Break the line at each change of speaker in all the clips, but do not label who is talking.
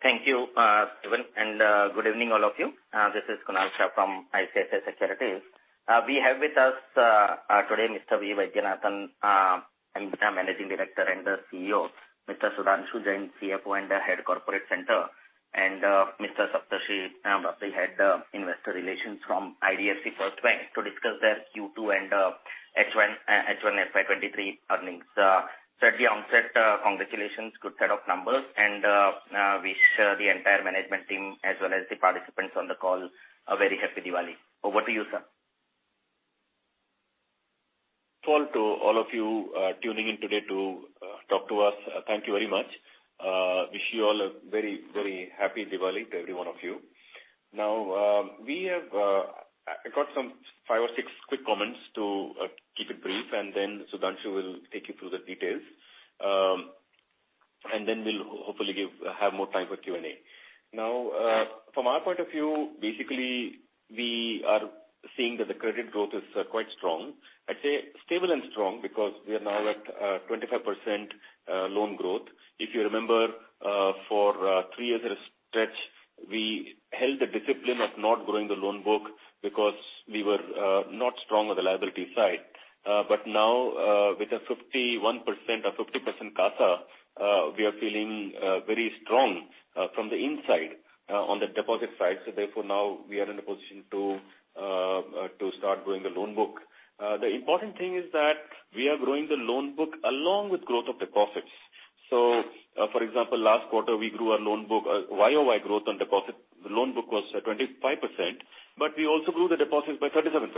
Thank you, Steven, and good evening, all of you. This is Kunal Shah from ICICI Securities. We have with us today Mr. V. Vaidyanathan, Managing Director and the CEO, Mr. Sudhanshu Jain, CFO and the Head Corporate Center, and Mr. Saptarshi Bapari, Head, Investor Relations from IDFC FIRST Bank to discuss their Q2 and H1 FY 2023 earnings. Sir, at the onset, congratulations. Good set of numbers and wish the entire management team as well as the participants on the call a very happy Diwali. Over to you, sir.
Hello to all of you, tuning in today to talk to us. Thank you very much. Wish you all a very, very happy Diwali to every one of you. Now, we have, I got some five or six quick comments to keep it brief, and then Sudhanshu will take you through the details. And then we'll hopefully have more time for Q&A. Now, from our point of view, basically, we are seeing that the credit growth is quite strong. I'd say stable and strong because we are now at 25% loan growth. If you remember, for three years at a stretch, we held the discipline of not growing the loan book because we were not strong on the liability side. Now, with a 51% or 50% CASA, we are feeling very strong from the inside on the deposit side, so therefore, now we are in a position to start growing the loan book. The important thing is that we are growing the loan book along with growth of deposits. For example, last quarter, we grew our loan book YoY growth on deposits. The loan book was 25%, but we also grew the deposits by 37%.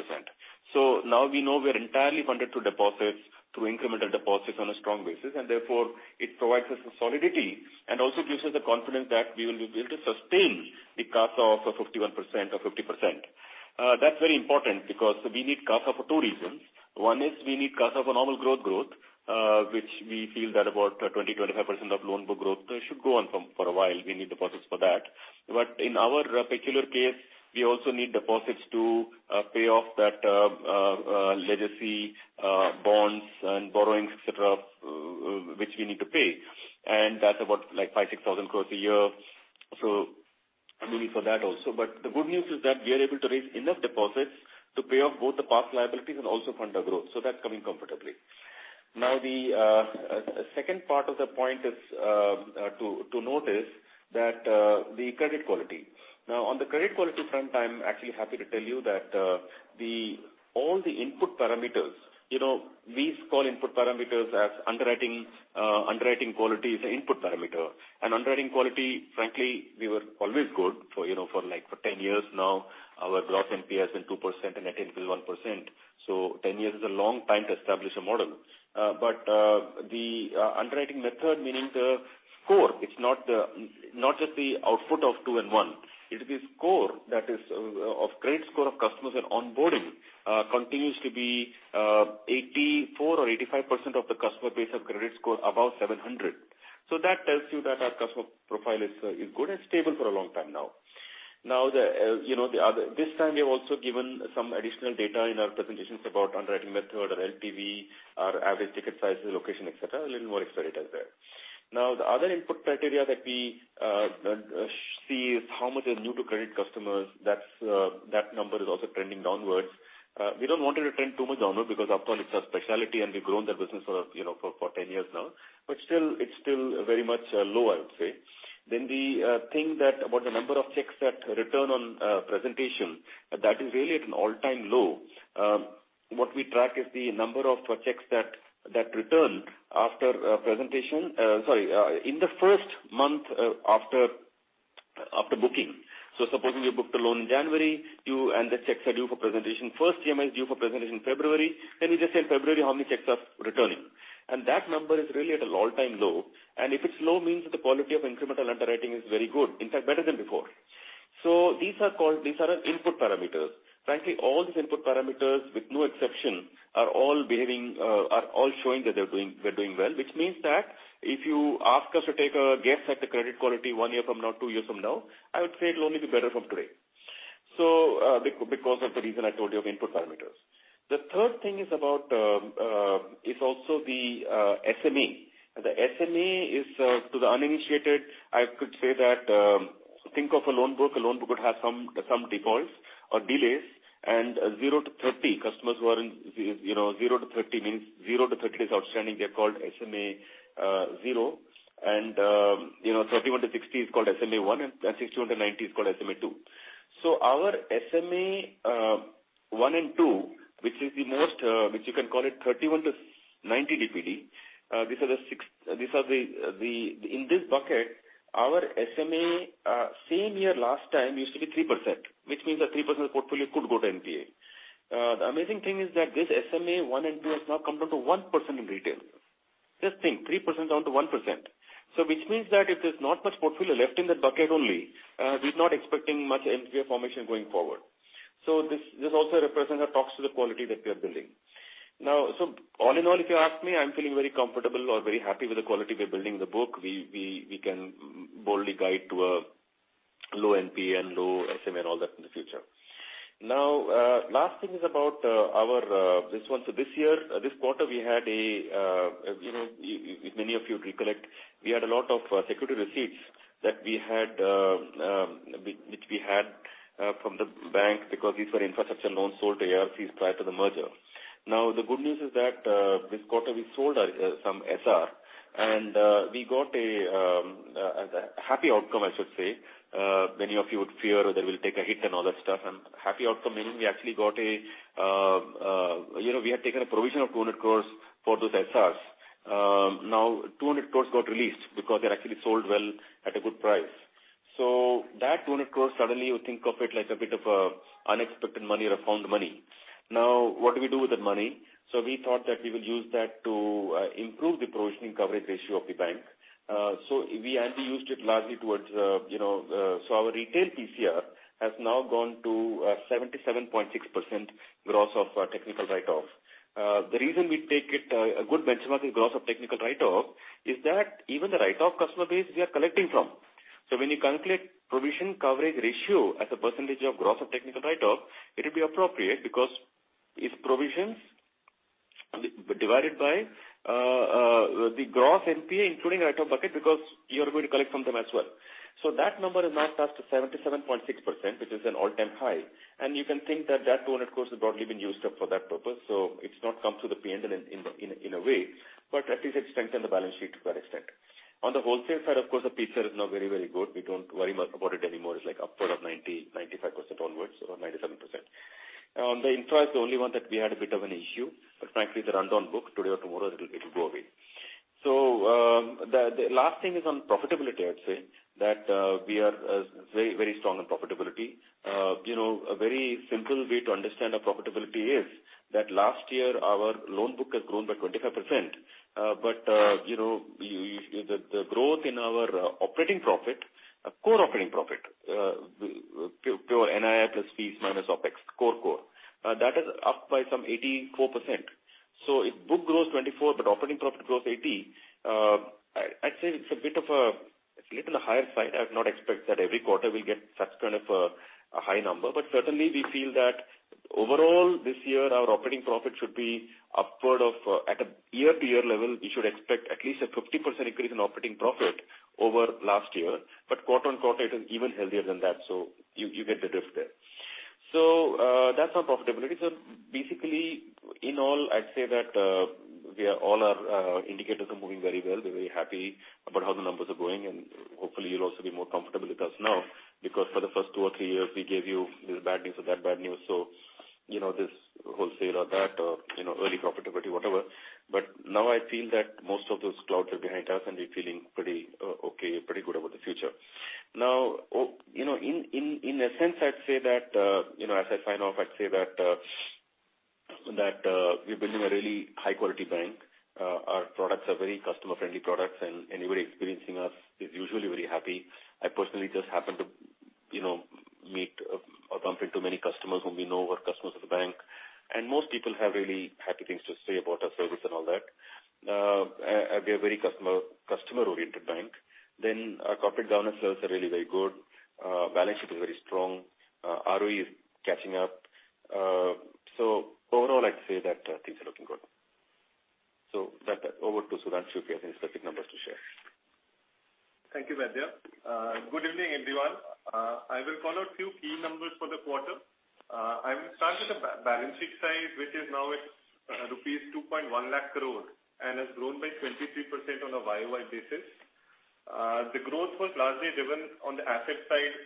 Now we know we are entirely funded through deposits, through incremental deposits on a strong basis, and therefore it provides us with solidity and also gives us the confidence that we will be able to sustain the CASA of a 51% or 50%. That's very important because we need CASA for two reasons. One is we need CASA for normal growth, which we feel that about 20%-25% of loan book growth should go on from for a while. We need deposits for that. In our particular case, we also need deposits to pay off that legacy bonds and borrowings, et cetera, which we need to pay. That's about, like, 5,000-6,000 crores a year. We need for that also. The good news is that we are able to raise enough deposits to pay off both the past liabilities and also fund our growth. That's coming comfortably. Now, the second part of the point is to notice that the credit quality. Now, on the credit quality front, I'm actually happy to tell you that all the input parameters, you know, we call input parameters as underwriting. Underwriting quality is an input parameter. Underwriting quality, frankly, we were always good for, you know, for like, for 10 years now. Our gross NPA is 2% and net NPA is 1%. 10 years is a long time to establish a model. The underwriting method, meaning the score, it's not just the output of two and one. It is the score that is of credit score of customers at onboarding continues to be 84 or 85% of the customer base of credit score above 700. That tells you that our customer profile is good and stable for a long time now. Now, you know, this time we have also given some additional data in our presentations about underwriting method or LTV, our average ticket size, location, et cetera. A little more extra data there. Now, the other input criteria that we see is how much are new to credit customers. That number is also trending downward. We don't want it to trend too much downward because after all it's our specialty and we've grown that business for, you know, 10 years now. Still, it's still very much low, I would say. We think that about the number of checks that return on presentation, that is really at an all-time low. What we track is the number of checks that return after presentation. Sorry, in the first month after booking. Supposing we booked a loan in January, you know, the checks are due for presentation. First EMI is due for presentation in February. Then we just see in February how many checks are returning. That number is really at an all-time low. If it's low means that the quality of incremental underwriting is very good, in fact better than before. These are our input parameters. Frankly, all these input parameters with no exception are all behaving, are all showing that we're doing well, which means that if you ask us to take a guess at the credit quality one year from now, two years from now, I would say it'll only be better from today. Because of the reason I told you of input parameters. The third thing is also the SMA. The SMA is to the uninitiated, I could say that, think of a loan book. A loan book would have some defaults or delays and 0-30 customers who are in, you know, 0-30 means 0-30 days outstanding, they're called SMA-0. You know, 31-60 is called SMA-1, and 60-90 is called SMA-2. Our SMA-1 and 2, which is the most, which you can call it 31-90 DPD, these are the 0.6%. In this bucket, our SMA same year last year used to be 3%, which means that 3% of the portfolio could go to NPA. The amazing thing is that this SMA one and two has now come down to 1% in retail. Just think, 3% down to 1%. Which means that if there's not much portfolio left in that bucket only, we're not expecting much NPA formation going forward. This also represents or talks to the quality that we are building. Now, all in all, if you ask me, I'm feeling very comfortable or very happy with the quality we're building the book. We can boldly guide to low NPA and low SMA and all that in the future. Last thing is about our this one. This year, this quarter, we had, you know, if many of you recollect, we had a lot of security receipts that we had from the bank because these were infrastructure loans sold to ARCs prior to the merger. Now, the good news is that this quarter we sold some SR and we got a happy outcome, I should say. Many of you would fear that we'll take a hit and all that stuff, and happy outcome meaning we actually got, you know, we had taken a provision of 200 crore for those SRs. Now 200 crore got released because they actually sold well at a good price. That 200 crore suddenly you think of it like a bit of unexpected money or found money. Now, what do we do with that money? We thought that we will use that to improve the provisioning coverage ratio of the bank. We used it largely towards our retail PCR has now gone to 77.6% gross of technical write-off. The reason we take it as a good benchmark in gross of technical write-off is that even the write-off customer base we are collecting from. When you calculate provision coverage ratio as a percentage of gross of technical write-off, it'll be appropriate because it's provisions divided by the gross NPA, including write-off bucket, because you are going to collect from them as well. That number is now tacked to 77.6%, which is an all-time high. You can think that 200 crore has broadly been used up for that purpose, so it's not come to the P&L in a way, but at least it strengthened the balance sheet to that extent. On the wholesale side, of course, the PCR is now very, very good. We don't worry much about it anymore. It's like upward of 95% onwards or 97%. The infra is the only one that we had a bit of an issue, but frankly, it's a rundown book. Today or tomorrow, it'll go away. The last thing is on profitability, I'd say that we are very, very strong on profitability. You know, a very simple way to understand our profitability is that last year our loan book has grown by 25%. You know, the growth in our operating profit, core operating profit, pure NII plus fees minus OpEx, core, that is up by some 84%. If book grows 24% but operating profit grows 80%, I'd say it's a bit of a higher side. I would not expect that every quarter we'll get such kind of a high number. Certainly we feel that overall this year our operating profit should be upward of at a year-to-year level, we should expect at least a 50% increase in operating profit over last year. Quarter-on-quarter, it is even healthier than that. You get the drift there. That's on profitability. Basically, in all, I'd say that all our indicators are moving very well. We're very happy about how the numbers are going, and hopefully you'll also be more comfortable with us now, because for the first two or three years, we gave you this bad news or that bad news, so you know, this wholesale or that or, you know, early profitability, whatever. Now I feel that most of those clouds are behind us, and we're feeling pretty okay, pretty good about the future. Now, you know, in a sense, I'd say that, you know, as I sign off, I'd say that we're building a really high quality bank. Our products are very customer-friendly products, and anybody experiencing us is usually very happy. I personally just happen to, you know, meet or bump into many customers whom we know are customers of the bank, and most people have really happy things to say about our service and all that. We are a very customer-oriented bank. Our corporate governance standards are really very good. Balance sheet is very strong. ROE is catching up. Overall, I'd say that things are looking good. With that, over to Sudhanshu, he has some specific numbers to share.
Thank you, V. Vaidyanathan. Good evening, everyone. I will call out few key numbers for the quarter. I will start with the balance sheet side, which is now at rupees 210,000 crore and has grown by 23% on a YoY basis. The growth was largely driven on the asset side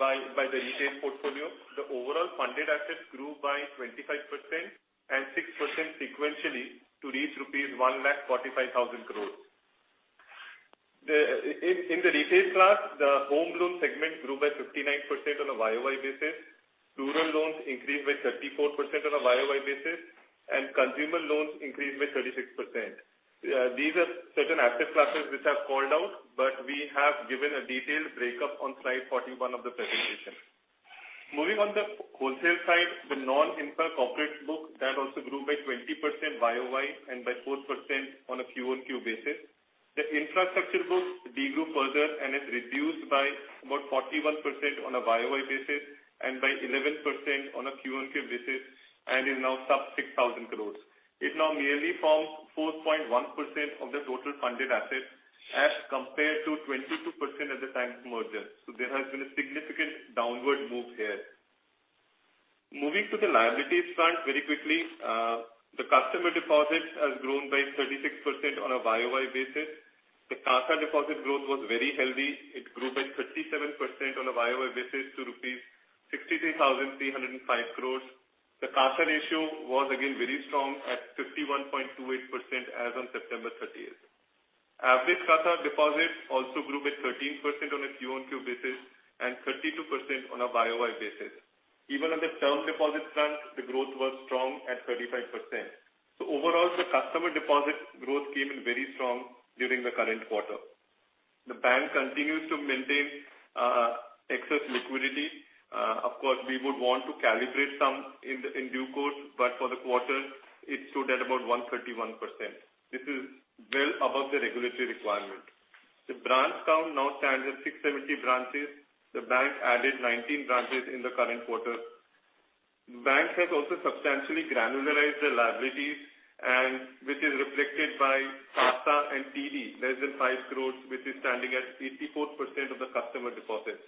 by the retail portfolio. The overall funded assets grew by 25% and 6% sequentially to reach rupees 145,000 crore. In the retail class, the home loan segment grew by 59% on a YoY basis. Rural loans increased by 34% on a YoY basis, and consumer loans increased by 36%. These are certain asset classes which I've called out, but we have given a detailed breakup on slide 41 of the presentation. Moving on the wholesale side, the non-infra corporate book, that also grew by 20% YoY and by 4% on a QOQ basis. The infrastructure book de-grew further and is reduced by about 41% on a YoY basis and by 11% on a QOQ basis and is now sub 6,000 crores. It now merely forms 4.1% of the total funded assets as compared to 22% at the time of merger. There has been a significant downward move here. Moving to the liabilities front very quickly, the customer deposits has grown by 36% on a YoY basis. The CASA deposit growth was very healthy. It grew by 37% on a YoY basis to rupees 63,305 crores. The CASA ratio was again very strong at 51.28% as on September 30th. Average CASA deposits also grew by 13% on a QOQ basis and 32% on a YoY basis. Even on the term deposit front, the growth was strong at 35%. Overall, the customer deposit growth came in very strong during the current quarter. The bank continues to maintain excess liquidity. Of course, we would want to calibrate some in due course, but for the quarter it stood at about 131%. This is well above the regulatory requirement. The branch count now stands at 670 branches. The bank added 19 branches in the current quarter. The bank has also substantially granularized the liabilities and which is reflected by CASA and TD less than 5 crores, which is standing at 84% of the customer deposits.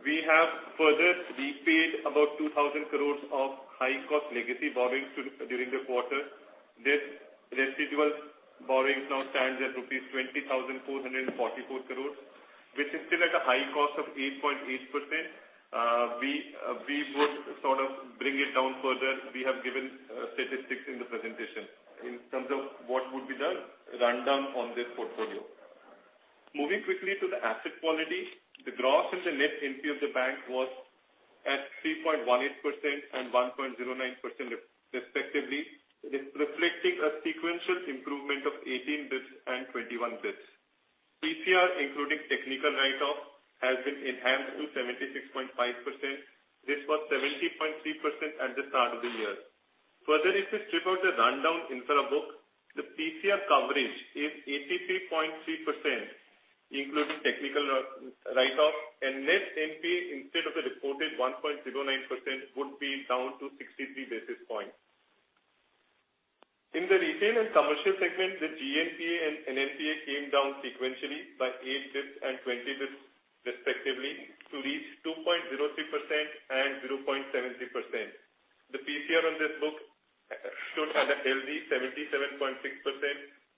We have further repaid about 2,000 crores of high cost legacy borrowings during the quarter. This residual borrowings now stands at rupees 20,444 crore, which is still at a high cost of 8.8%. We would sort of bring it down further. We have given statistics in the presentation in terms of what would be the rundown on this portfolio. Moving quickly to the asset quality. The gross and the net NPA of the bank was at 3.18% and 1.09% respectively. It is reflecting a sequential improvement of 18 basis points and 21 basis points. PCR, including technical write-off, has been enhanced to 76.5%. This was 70.3% at the start of the year. Further, if we strip out the run-down infra book, the PCR coverage is 83.3%, including technical write-off and net NPA instead of the reported 1.09% would be down to 63 basis points. In the retail and commercial segment, the GNPA and NPA came down sequentially by 8 basis points and 20 basis points respectively to reach 2.03% and 0.70%. The PCR on this book stood at a healthy 77.6%.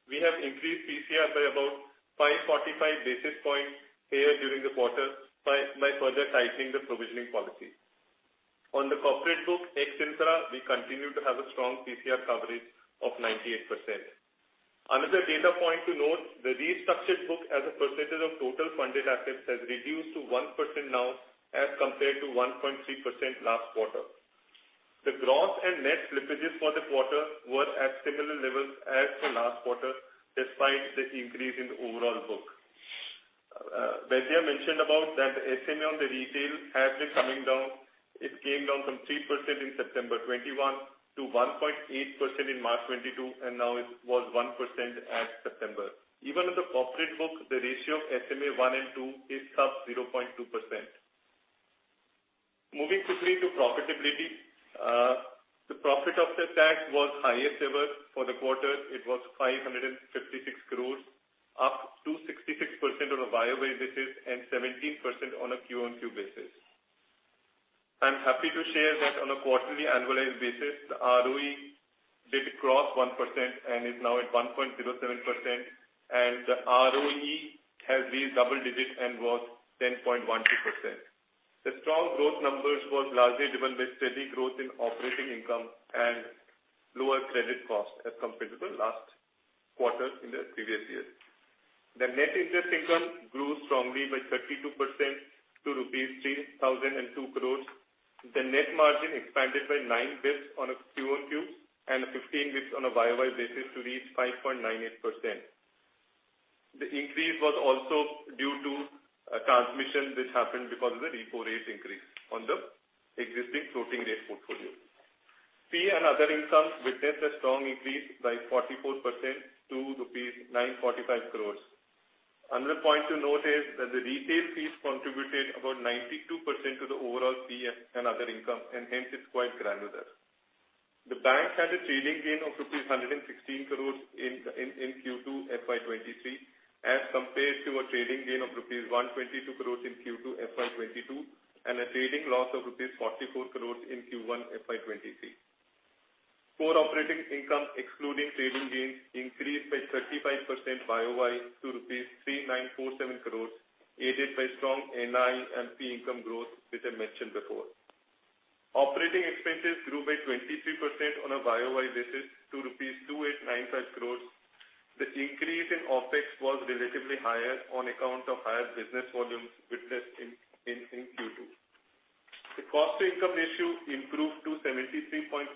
We have increased PCR by about 545 basis points here during the quarter by further tightening the provisioning policy. On the corporate book ex infra, we continue to have a strong PCR coverage of 98%. Another data point to note, the restructured book as a percentage of total funded assets has reduced to 1% now as compared to 1.3% last quarter. The gross and net slippages for the quarter were at similar levels as to last quarter despite the increase in the overall book. V. Vaidyanathan mentioned about that SMA on the retail has been coming down. It came down from 3% in September 2021 to 1.8% in March 2022, and now it was 1% at September. Even in the corporate book, the ratio of SMA one and two is sub 0.2%. Moving quickly to profitability. The profit after tax was highest ever for the quarter. It was 556 crore, up 266% on a YoY basis and 17% on a QOQ basis. I'm happy to share that on a quarterly annualized basis, the ROE did cross 1% and is now at 1.07%, and the ROE has reached double digits and was 10.12%. The strong growth numbers was largely driven by steady growth in operating income and lower credit cost compared to last quarter in the previous year. The net interest income grew strongly by 32% to rupees 3,002 crores. The net margin expanded by 9 basis points on a QOQ and 15 basis points on a YoY basis to reach 5.98%. The increase was also due to a transmission which happened because of the repo rate increase on the existing floating rate portfolio. Fee and other income witnessed a strong increase by 44% to rupees 945 crores. Another point to note is that the retail fees contributed about 92% to the overall fee and other income and hence it's quite granular. The bank had a trading gain of INR 116 crores in Q2 FY 2023 as compared to a trading gain of INR 122 crores in Q2 FY 2022 and a trading loss of INR 44 crores in Q1 FY 2023. Core operating income excluding trading gains increased by 35% YoY to rupees 3,947 crores, aided by strong NIM income growth which I mentioned before. Operating expenses grew by 23% on a YoY basis to rupees 2,895 crores. The increase in OpEx was relatively higher on account of higher business volumes witnessed in Q2. The cost to income ratio improved to 73.34%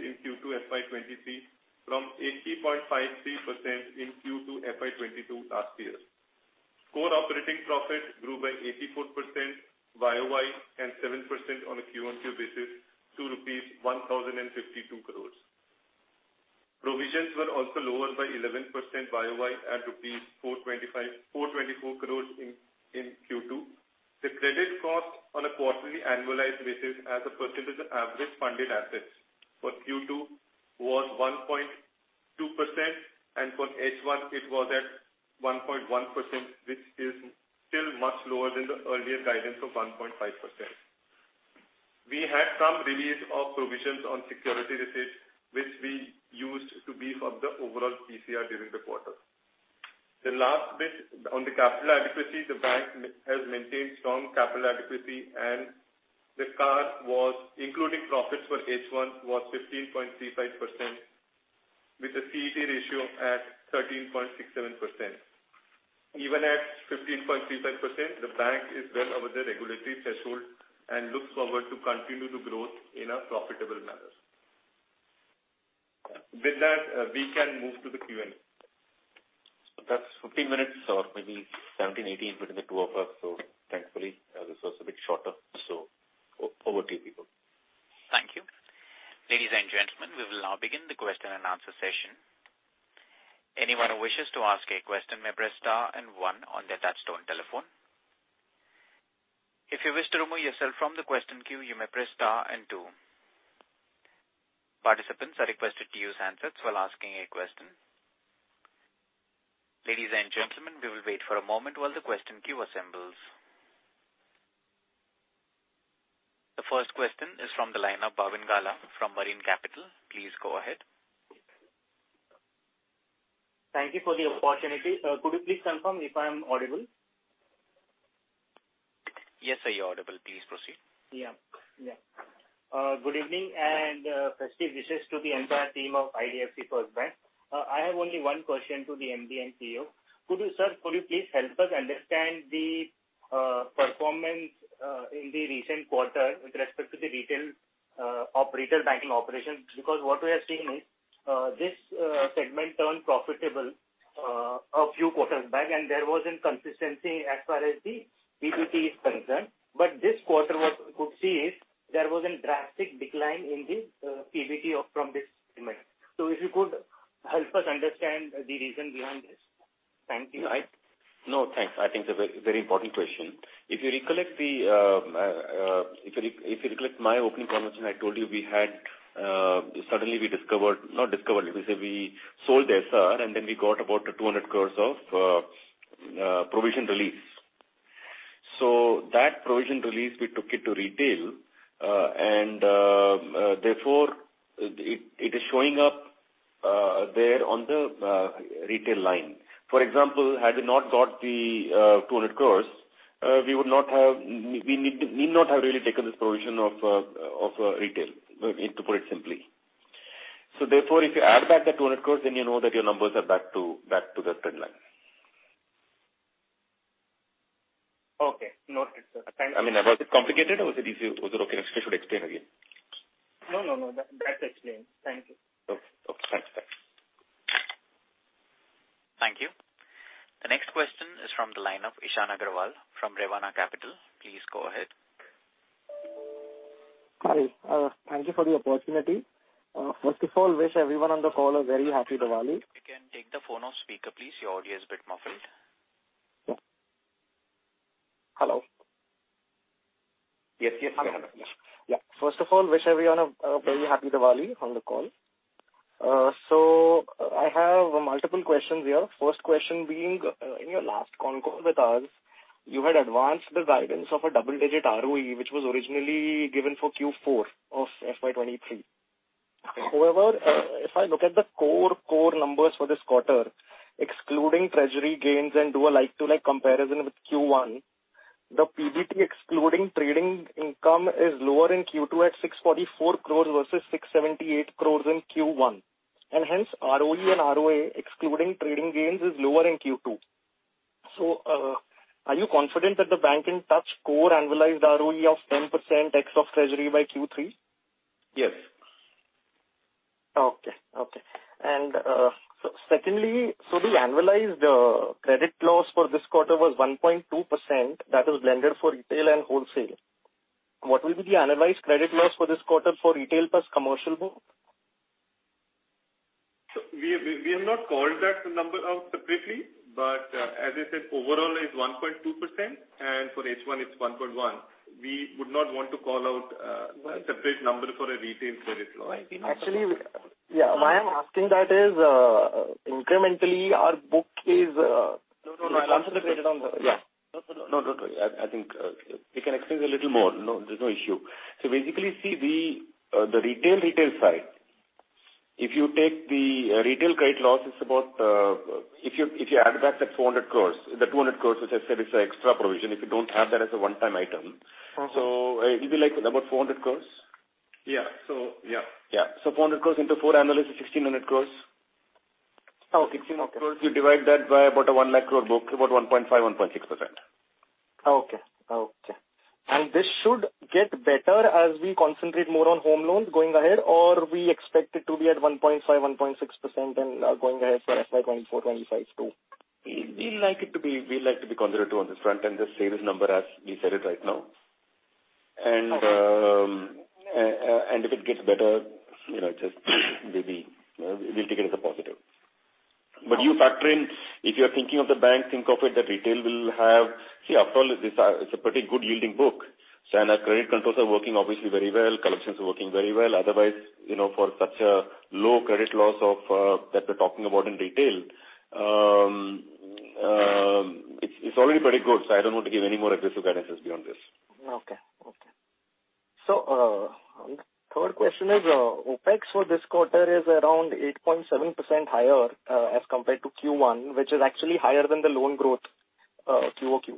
in Q2 FY 2023 from 80.53% in Q2 FY 2022 last year. Core operating profit grew by 84% YoY and 7% on a QOQ basis to rupees 1,052 crore. Provisions were also lower by 11% YoY at 424 crore in Q2. The credit cost on a quarterly annualized basis as a percentage of average funded assets for Q2 was 1.2% and for H1 it was at 1.1%, which is still much lower than the earlier guidance of 1.5%. We had some release of provisions on security receipts which we used to beef up the overall PCR during the quarter. The last bit on the capital adequacy. The bank has maintained strong capital adequacy and the CAR including profits for H1 was 15.35% with a CET ratio at 13.67%. Even at 15.35%, the bank is well above the regulatory threshold and looks forward to continue the growth in a profitable manner. With that, we can move to the Q&A.
That's 15 minutes or maybe 17, 18 between the two of us, so thankfully, this was a bit shorter, so over to you, people.
Thank you. Ladies and gentlemen, we will now begin the question and answer session. Anyone who wishes to ask a question may press star and one on their touch-tone telephone. If you wish to remove yourself from the question queue, you may press star and two. Participants are requested to use handsets while asking a question. Ladies and gentlemen, we will wait for a moment while the question queue assembles. The first question is from the line of Bhavin Gala from Marine Capital. Please go ahead.
Thank you for the opportunity. Could you please confirm if I'm audible?
Yes, sir, you're audible. Please proceed.
Good evening and festive wishes to the entire team of IDFC FIRST Bank. I have only one question to the MD and CEO. Could you, sir, please help us understand the performance in the recent quarter with respect to the retail and corporate banking operations? Because what we are seeing is this segment turned profitable a few quarters back, and there wasn't consistency as far as the PBT is concerned. This quarter what we could see is there was a drastic decline in the PBT from this segment. If you could help us understand the reason behind this. Thank you
No, thanks. I think it's a very important question. If you recollect my opening comments when I told you we had suddenly discovered, not discovered, let me say we sold SR, and then we got about 200 crores of provision release. That provision release, we took it to retail and therefore it is showing up there on the retail line. For example, had we not got the 200 crores, we would not have needed to really take this provision of retail to put it simply. Therefore, if you add back the 200 crores, then you know that your numbers are back to the trend line.
Okay. Noted, sir.
I mean, was it complicated or was it easy? Was it okay? If so, I should explain again.
No, no. That, that's explained. Thank you.
Okay. Thanks. Bye.
Thank you. The next question is from the line of Ishan Agarwal from Erevna Capital. Please go ahead.
Hi. Thank you for the opportunity. First of all, wish everyone on the call a very happy Diwali.
You can take the phone off speaker, please. Your audio is a bit muffled.
Yeah. Hello.
Yes, yes. We can hear.
Yeah. First of all, wish everyone a very happy Diwali on the call. I have multiple questions here. First question being, in your last concall with us, you had advanced the guidance of a double-digit ROE, which was originally given for Q4 of FY 2023. However, if I look at the core numbers for this quarter, excluding treasury gains and do a like-to-like comparison with Q1, the PBT excluding trading income is lower in Q2 at 644 crores versus 678 crores in Q1. Hence, ROE and ROA excluding trading gains is lower in Q2. Are you confident that the bank can touch core annualized ROE of 10% ex treasury by Q3?
Yes.
Secondly, the annualized credit loss for this quarter was 1.2%. That is blended for retail and wholesale. What will be the annualized credit loss for this quarter for retail plus commercial book?
We have not called that number out separately, but as I said, overall is 1.2%, and for H1 it's 1.1%. We would not want to call out a separate number for a retail credit loss.
Actually, yeah. Why I'm asking that is, incrementally our book is,
No, no. I'll answer that. No. Don't worry. I think we can explain a little more. No, there's no issue. Basically, see the retail side. If you take the retail credit loss is about if you add back that 400 crores, the 200 crores, which I said is an extra provision, if you don't have that as a one-time item. If you like about 400 crore. Yeah. 400 crore into 4 annualized is 1,600 crore.
Oh, 1,600 crore.
You divide that by about a 1 lakh crore book, about 1.5%-1.6%.
This should get better as we concentrate more on home loans going ahead, or we expect it to be at 1.5%-1.6% and going ahead for FY 2024-25 too.
We like to be conservative on this front and just say this number as we said it right now. If it gets better, you know, just maybe, you know, we'll take it as a positive. But you factor in, if you are thinking of the bank, think of it that retail will have. See, after all, this, it's a pretty good yielding book. Our credit controls are working obviously very well, collections are working very well. Otherwise, you know, for such a low credit loss of that we're talking about in retail, it's already pretty good, so I don't want to give any more aggressive guidances beyond this.
Okay. Third question is, OpEx for this quarter is around 8.7% higher, as compared to Q1, which is actually higher than the loan growth, QOQ.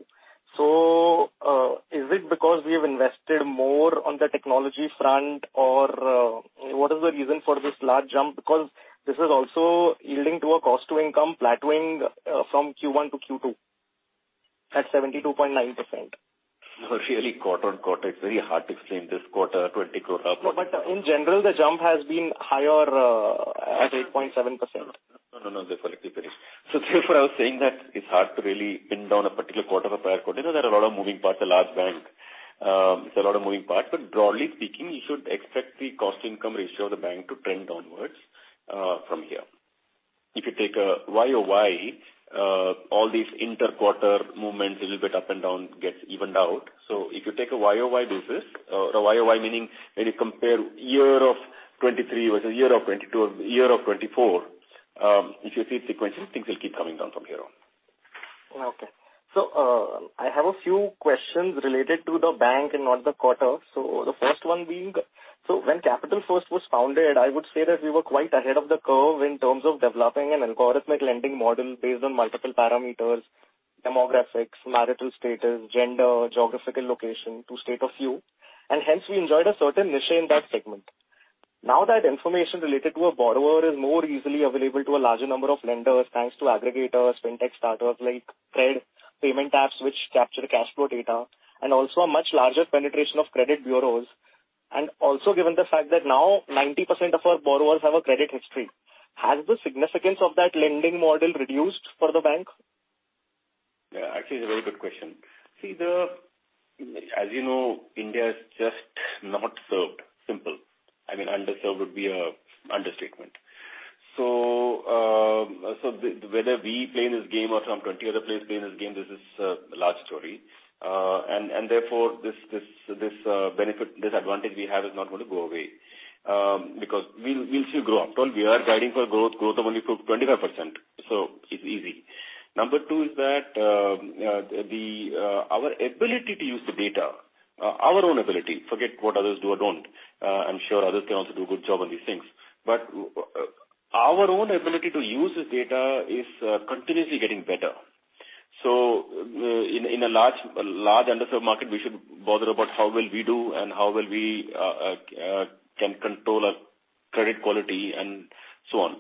Is it because we have invested more on the technology front or, what is the reason for this large jump? Because this is also yielding to a cost-to-income plateauing, from Q1-Q2 at 72.9%.
Really, quarter-on-quarter, it's very hard to explain this quarter, 20 crore.
No, in general, the jump has been higher, at 8.7%.
No, no. They're collectively. Therefore, I was saying that it's hard to really pin down a particular quarter or prior quarter. You know, there are a lot of moving parts, a large bank, it's a lot of moving parts. Broadly speaking, you should expect the cost income ratio of the bank to trend downwards from here. If you take a YoY, all these inter-quarter movements, a little bit up and down, gets evened out. If you take a YoY basis or a YoY meaning when you compare year of 2023 with the year of 2022, year of 2024, if you see it sequentially, things will keep coming down from here on.
Okay. I have a few questions related to the bank and not the quarter. The first one being when Capital First was founded, I would say that we were quite ahead of the curve in terms of developing an algorithmic lending model based on multiple parameters, demographics, marital status, gender, geographical location to state a few, and hence we enjoyed a certain niche in that segment. Now that information related to a borrower is more easily available to a larger number of lenders, thanks to aggregators, fintech startups like CRED, payment apps which capture the cash flow data, and also a much larger penetration of credit bureaus, and also given the fact that now 90% of our borrowers have a credit history, has the significance of that lending model reduced for the bank?
Actually, it's a very good question. As you know, India is just not served. Simple. I mean, underserved would be an understatement. Whether we play in this game or some 20 other players play in this game, this is a large story. Therefore, this benefit, this advantage we have is not gonna go away, because we'll still grow. After all, we are guiding for growth of only 25%, so it's easy. Number two is that our ability to use the data, our own ability, forget what others do or don't, I'm sure others can also do a good job on these things. Our own ability to use this data is continuously getting better. In a large underserved market, we should bother about how well we do and how well we can control our credit quality and so on.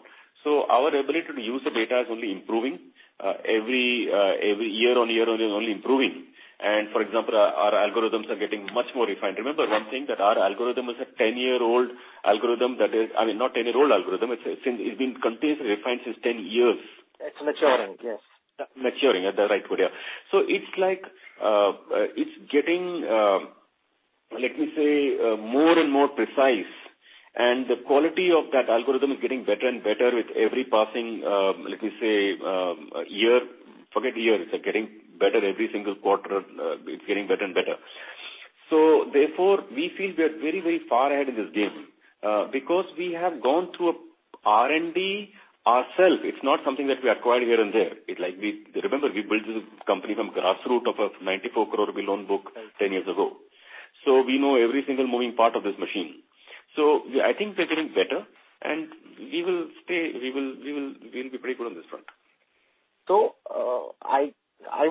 Our ability to use the data is only improving. Every year on year is only improving. For example, our algorithms are getting much more refined. Remember one thing, that our algorithm is a 10-year-old algorithm that is. I mean, not 10-year-old algorithm. It's been continuously refined since 10 years.
It's maturing. Yes.
Maturing. That's the right word, yeah. It's like, it's getting more and more precise, and the quality of that algorithm is getting better and better with every passing year. Forget year. It's getting better every single quarter. It's getting better and better. Therefore, we feel we are very, very far ahead in this game, because we have gone through R&D ourselves. It's not something that we acquired here and there. Remember we built this company from grassroots of a 94 crore rupee loan book 10 years ago. We know every single moving part of this machine. I think we're getting better and we will stay. We'll be pretty good on this front.
I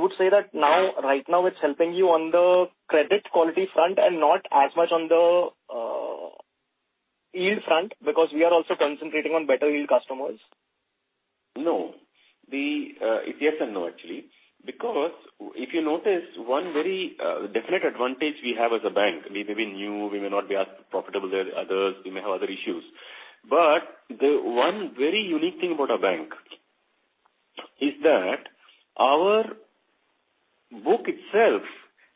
would say that now, right now it's helping you on the credit quality front and not as much on the yield front because we are also concentrating on better yield customers.
No. It's yes and no, actually. Because if you notice one very definite advantage we have as a bank, we may be new, we may not be as profitable as others, we may have other issues, but the one very unique thing about our bank is that our book itself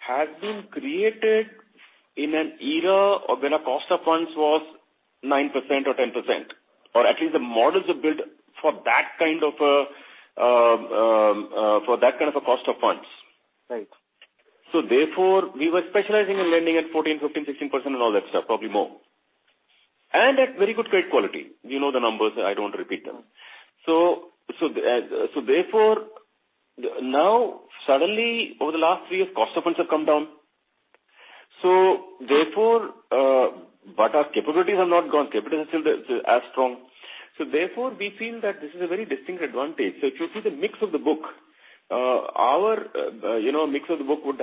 has been created in an era of when a cost of funds was 9% or 10%, or at least the models are built for that kind of a cost of funds. We were specializing in lending at 14%, 15%, 16% and all that stuff, probably more. At very good credit quality. You know the numbers. I don't repeat them. Now suddenly over the last three years, cost of funds have come down. Our capabilities have not gone. Capabilities are still as strong. We feel that this is a very distinct advantage. If you see the mix of the book, our, you know, mix of the book would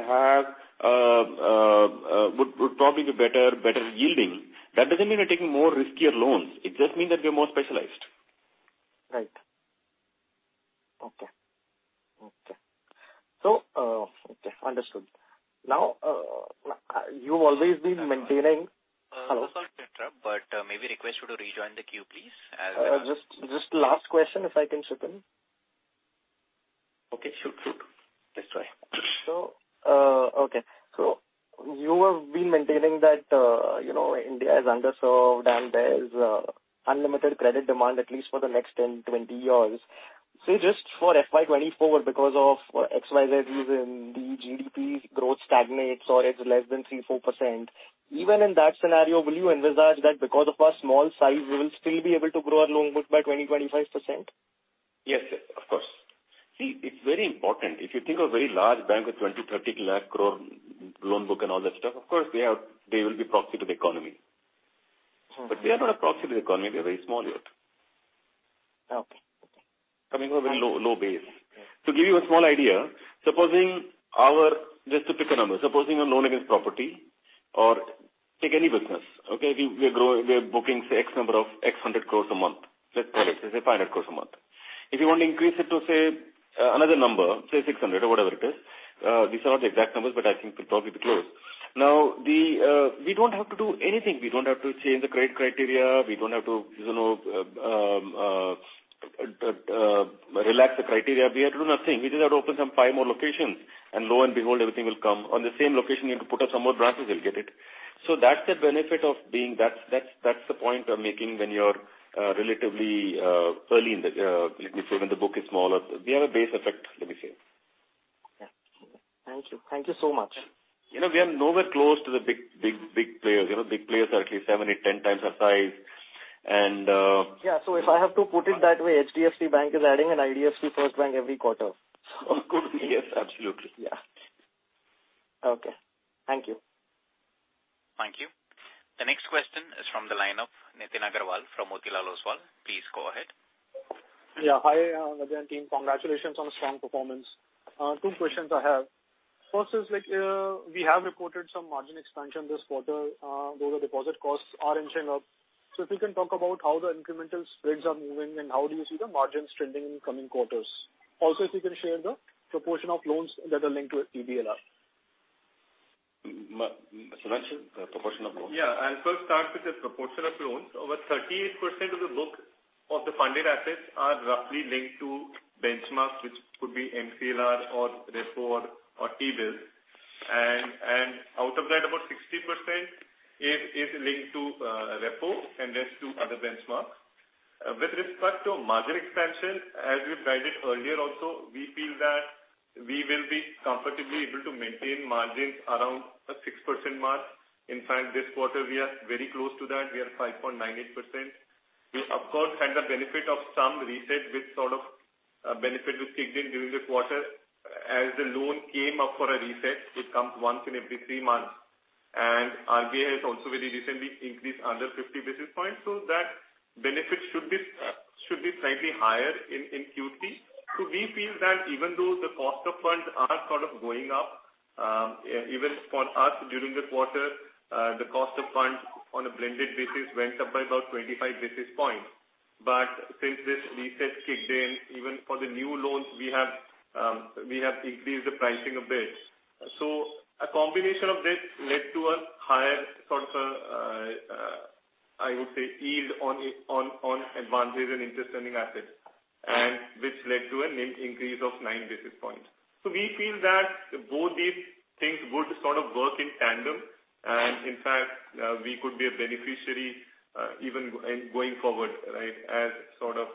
probably be better yielding. That doesn't mean we're taking more riskier loans. It just means that we're more specialized.
Right. Okay. Understood. Now, you've always been maintaining-
Sorry to interrupt, but maybe request you to rejoin the queue, please.
Just last question, if I can?
Okay, shoot through. Let's try.
You have been maintaining that, you know, India is underserved and there's unlimited credit demand at least for the next 10, 20 years. Say, just for FY 2024 because of XYZ reason, the GDP growth stagnates or it's less than 3%, 4%. Even in that scenario, will you envisage that because of our small size, we will still be able to grow our loan book by 20%-25%?
Yes, of course. See, it's very important. If you think of very large bank with 20-30 lakh crore loan book and all that stuff, of course, they are, they will be proxy to the economy. We are not a proxy to the economy. We are very small yet.
Okay. Okay.
Coming from a very low base. To give you a small idea. Just to pick a number, supposing a loan against property. Or take any business, okay? We are bookings say X number of X hundred crores a month. Let's call it, say, 500 crore a month. If you want to increase it to, say, another number, say 600 crore or whatever it is, these are not the exact numbers, but I think it'll probably be close. Now, we don't have to do anything. We don't have to change the credit criteria. We don't have to, you know, relax the criteria. We have to do nothing. We just have to open some five more locations, and loan and behold, everything will come. On the same location, you need to put up some more branches, you'll get it. That's the benefit of being. That's the point I'm making when you're relatively early in the, let me say, when the book is smaller. We have a base effect, let me say.
Yeah. Thank you. Thank you so much.
You know, we are nowhere close to the big players. You know, big players are at least 7, 8, 10 times our size.
Yeah. If I have to put it that way, HDFC Bank is adding an IDFC FIRST Bank every quarter.
Could be, yes. Absolutely.
Yeah. Okay. Thank you.
Thank you. The next question is from the line of Nitin Aggarwal from Motilal Oswal. Please go ahead.
Hi, V. Vaidyanathan and team. Congratulations on a strong performance. Two questions I have. First is like, we have reported some margin expansion this quarter, though the deposit costs are inching up. If you can talk about how the incremental spreads are moving and how do you see the margins trending in coming quarters? Also, if you can share the proportion of loans that are linked with EBLR.
Sudhanshu, the proportion of loans.
Yeah. I'll first start with the proportion of loans. Over 38% of the book of the funded assets are roughly linked to benchmarks, which could be MCLR or repo or T-bills. Out of that, about 60% is linked to repo and rest to other benchmarks. With respect to margin expansion, as we've guided earlier also, we feel that we will be comfortably able to maintain margins around a 6% mark. In fact, this quarter we are very close to that. We are 5.98%. We, of course, had the benefit of some reset which sort of benefit which kicked in during this quarter. As the loan came up for a reset, it comes once in every three months. RBI has also very recently increased another 50 basis points, so that benefit should be slightly higher in Q3. We feel that even though the cost of funds are sort of going up, even for us during this quarter, the cost of funds on a blended basis went up by about 25 basis points. Since this reset kicked in, even for the new loans we have, we have increased the pricing a bit. A combination of this led to a higher sort of, I would say, yield on advances and interest earning assets, and which led to a net increase of 9 basis points. We feel that both these things would sort of work in tandem. In fact, we could be a beneficiary, even in going forward, right, as sort of,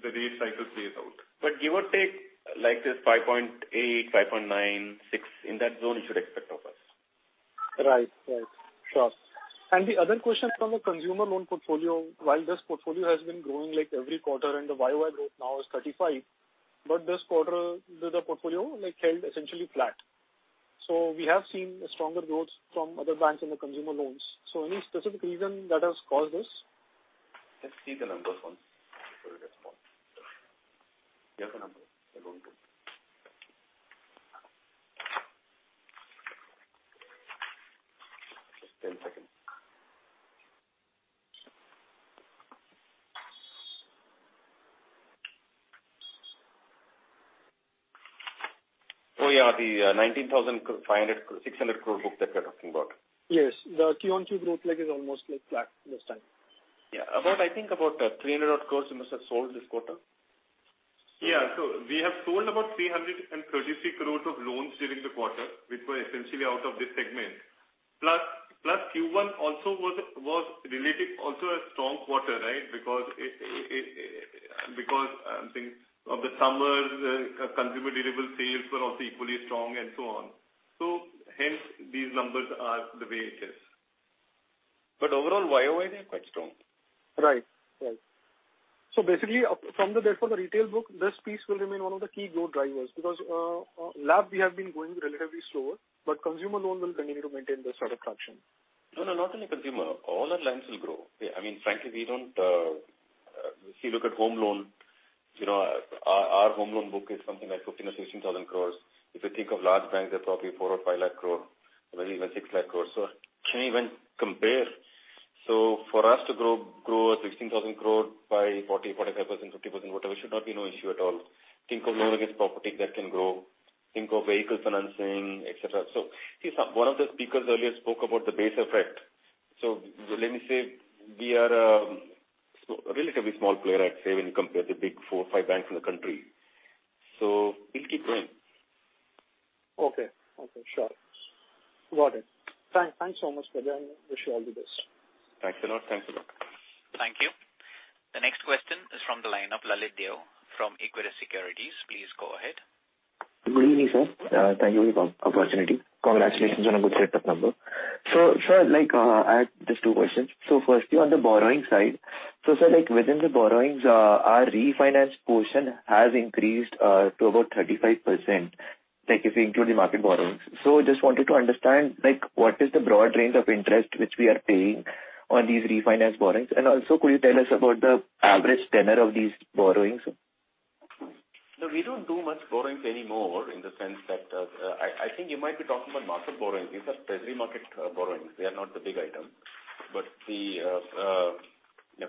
the rate cycle plays out. Give or take, like this 5.8, 5.9, 6, in that zone you should expect of us.
Right. Right. Sure. The other question from the consumer loan portfolio, while this portfolio has been growing like every quarter and the YoY growth now is 35%, but this quarter the portfolio like held essentially flat. We have seen a stronger growth from other banks in the consumer loans. Any specific reason that has caused this?
Let's see the numbers once before I respond. You have the numbers? The loan book. Just 10 seconds. Oh, yeah, the 19,500 crore-19,600 crore book that you're talking about.
Yes. The QOQ growth like is almost like flat this time.
About, I think, 300 crore we must have sold this quarter.
Yeah. We have sold about 336 crore of loans during the quarter, which were essentially out of this segment. Plus Q1 also was a strong quarter, right? Because of the summer, consumer durable sales were also equally strong and so on. Hence these numbers are the way it is.
Overall YoY, they're quite strong.
Right. Therefore, the retail book, this piece will remain one of the key growth drivers because LAP we have been growing relatively slower, but consumer loan will continue to maintain this sort of traction.
No, no, not only consumer, all our lines will grow. I mean, frankly, we don't if you look at home loan, you know, our home loan book is something like 15,000 or 16,000 crores. If you think of large banks, they're probably 400,000 or 500,000 crores or maybe even 600,000 crores. Can you even compare? For us to grow a 16,000 crore by 40%-45%, 50%, whatever, should not be no issue at all. Think of loan against property that can grow. Think of vehicle financing, et cetera. One of the speakers earlier spoke about the base effect. Let me say we are small, a relatively small player, I'd say, when you compare the big 4 or 5 banks in the country. We'll keep growing.
Okay. Sure. Got it. Thanks so much, V. Vaidyanathan. I wish you all the best.
Thanks a lot. Thanks a lot.
Thank you. The next question is from the line of Lalit Deo from Equirus Securities. Please go ahead.
Good evening, sir. Thank you for the opportunity. Congratulations on a good set of numbers. Sir, like, I have just two questions. Firstly, on the borrowing side. Sir, like within the borrowings, our refinance portion has increased to about 35%, like if you include the market borrowings. Just wanted to understand, like what is the broad range of interest which we are paying on these refinance borrowings? Also could you tell us about the average tenor of these borrowings?
No, we don't do much borrowings anymore in the sense that, I think you might be talking about market borrowings. These are treasury market borrowings. They are not the big item.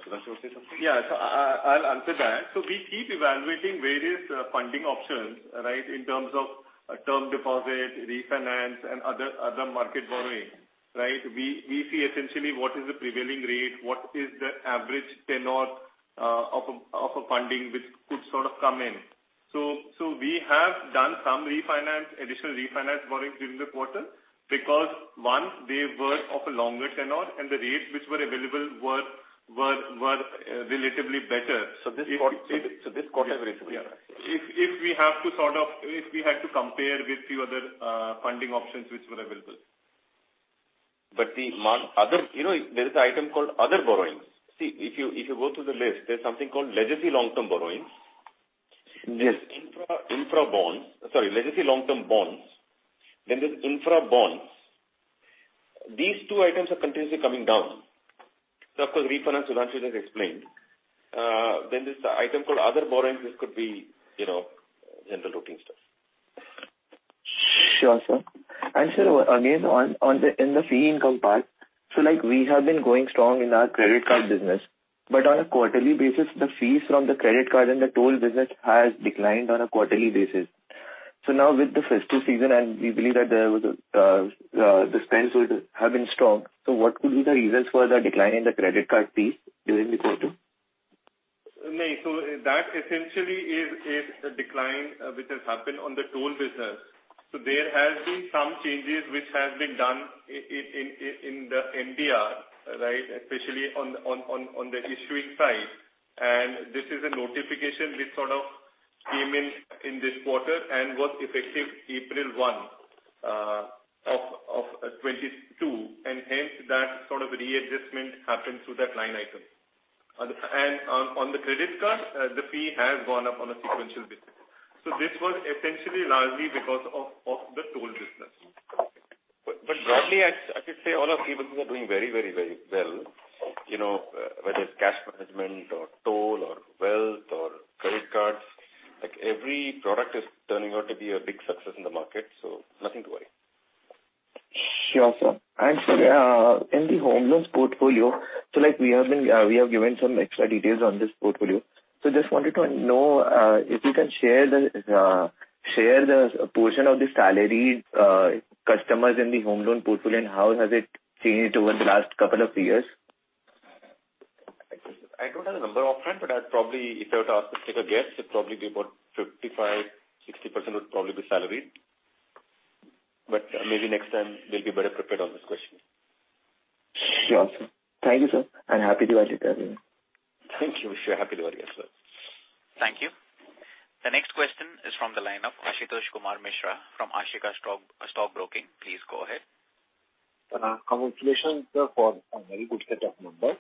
Sudhanshu, you want to say something?
I'll answer that. We keep evaluating various funding options, right, in terms of term deposit, refinance, and other market borrowing, right? We see essentially what is the prevailing rate, what is the average tenure of a funding which could sort of come in. We have done some refinance, additional refinance borrowings during the quarter because one, they were of a longer tenure and the rates which were available were relatively better.
This quarter relatively, right?
Yeah. If we had to compare with few other funding options which were available.
The other, you know, there is an item called other borrowings. See, if you go through the list, there's something called legacy long-term borrowings. Infra bonds. Sorry, legacy long-term bonds. There's infra bonds. These two items are continuously coming down. Of course, refinance Sudhanshu has explained. This item called other borrowings, this could be, you know, general routine stuff.
Sure, sir. Sir, again, on the fee income part, like we have been going strong in our credit card business, but on a quarterly basis, the fees from the credit card and the toll business has declined on a quarterly basis. Now with the festive season and we believe that the spends would have been strong, what could be the reasons for the decline in the credit card fees during the quarter?
That essentially is a decline which has happened on the toll business. There has been some changes which have been done in the MDR, right? Especially on the issuing side. This is a notification which sort of came in in this quarter and was effective April 1, 2022. Hence that sort of readjustment happened to that line item. On the credit card, the fee has gone up on a sequential basis. This was essentially largely because of the toll business.
Broadly, I could say all our businesses are doing very well. You know, whether it's cash management or toll or wealth or credit cards, like every product is turning out to be a big success in the market, so nothing to worry.
Sure, sir. Sir, in the home loans portfolio, we have given some extra details on this portfolio. Just wanted to know if you can share the portion of the salaried customers in the home loan portfolio and how has it changed over the last couple of years?
I don't have the number upfront, but I'd probably, if I were to ask to take a guess, it'd probably be about 55%-60% would probably be salaried. Maybe next time we'll be better prepared on this question.
Sure, sir. Thank you, sir, and happy Diwali to everyone.
Thank you. Happy Diwali as well.
Thank you. The next question is from the line of Ashutosh Kumar Mishra from Ashika Stock Broking. Please go ahead.
Congratulations, sir, for a very good set of numbers.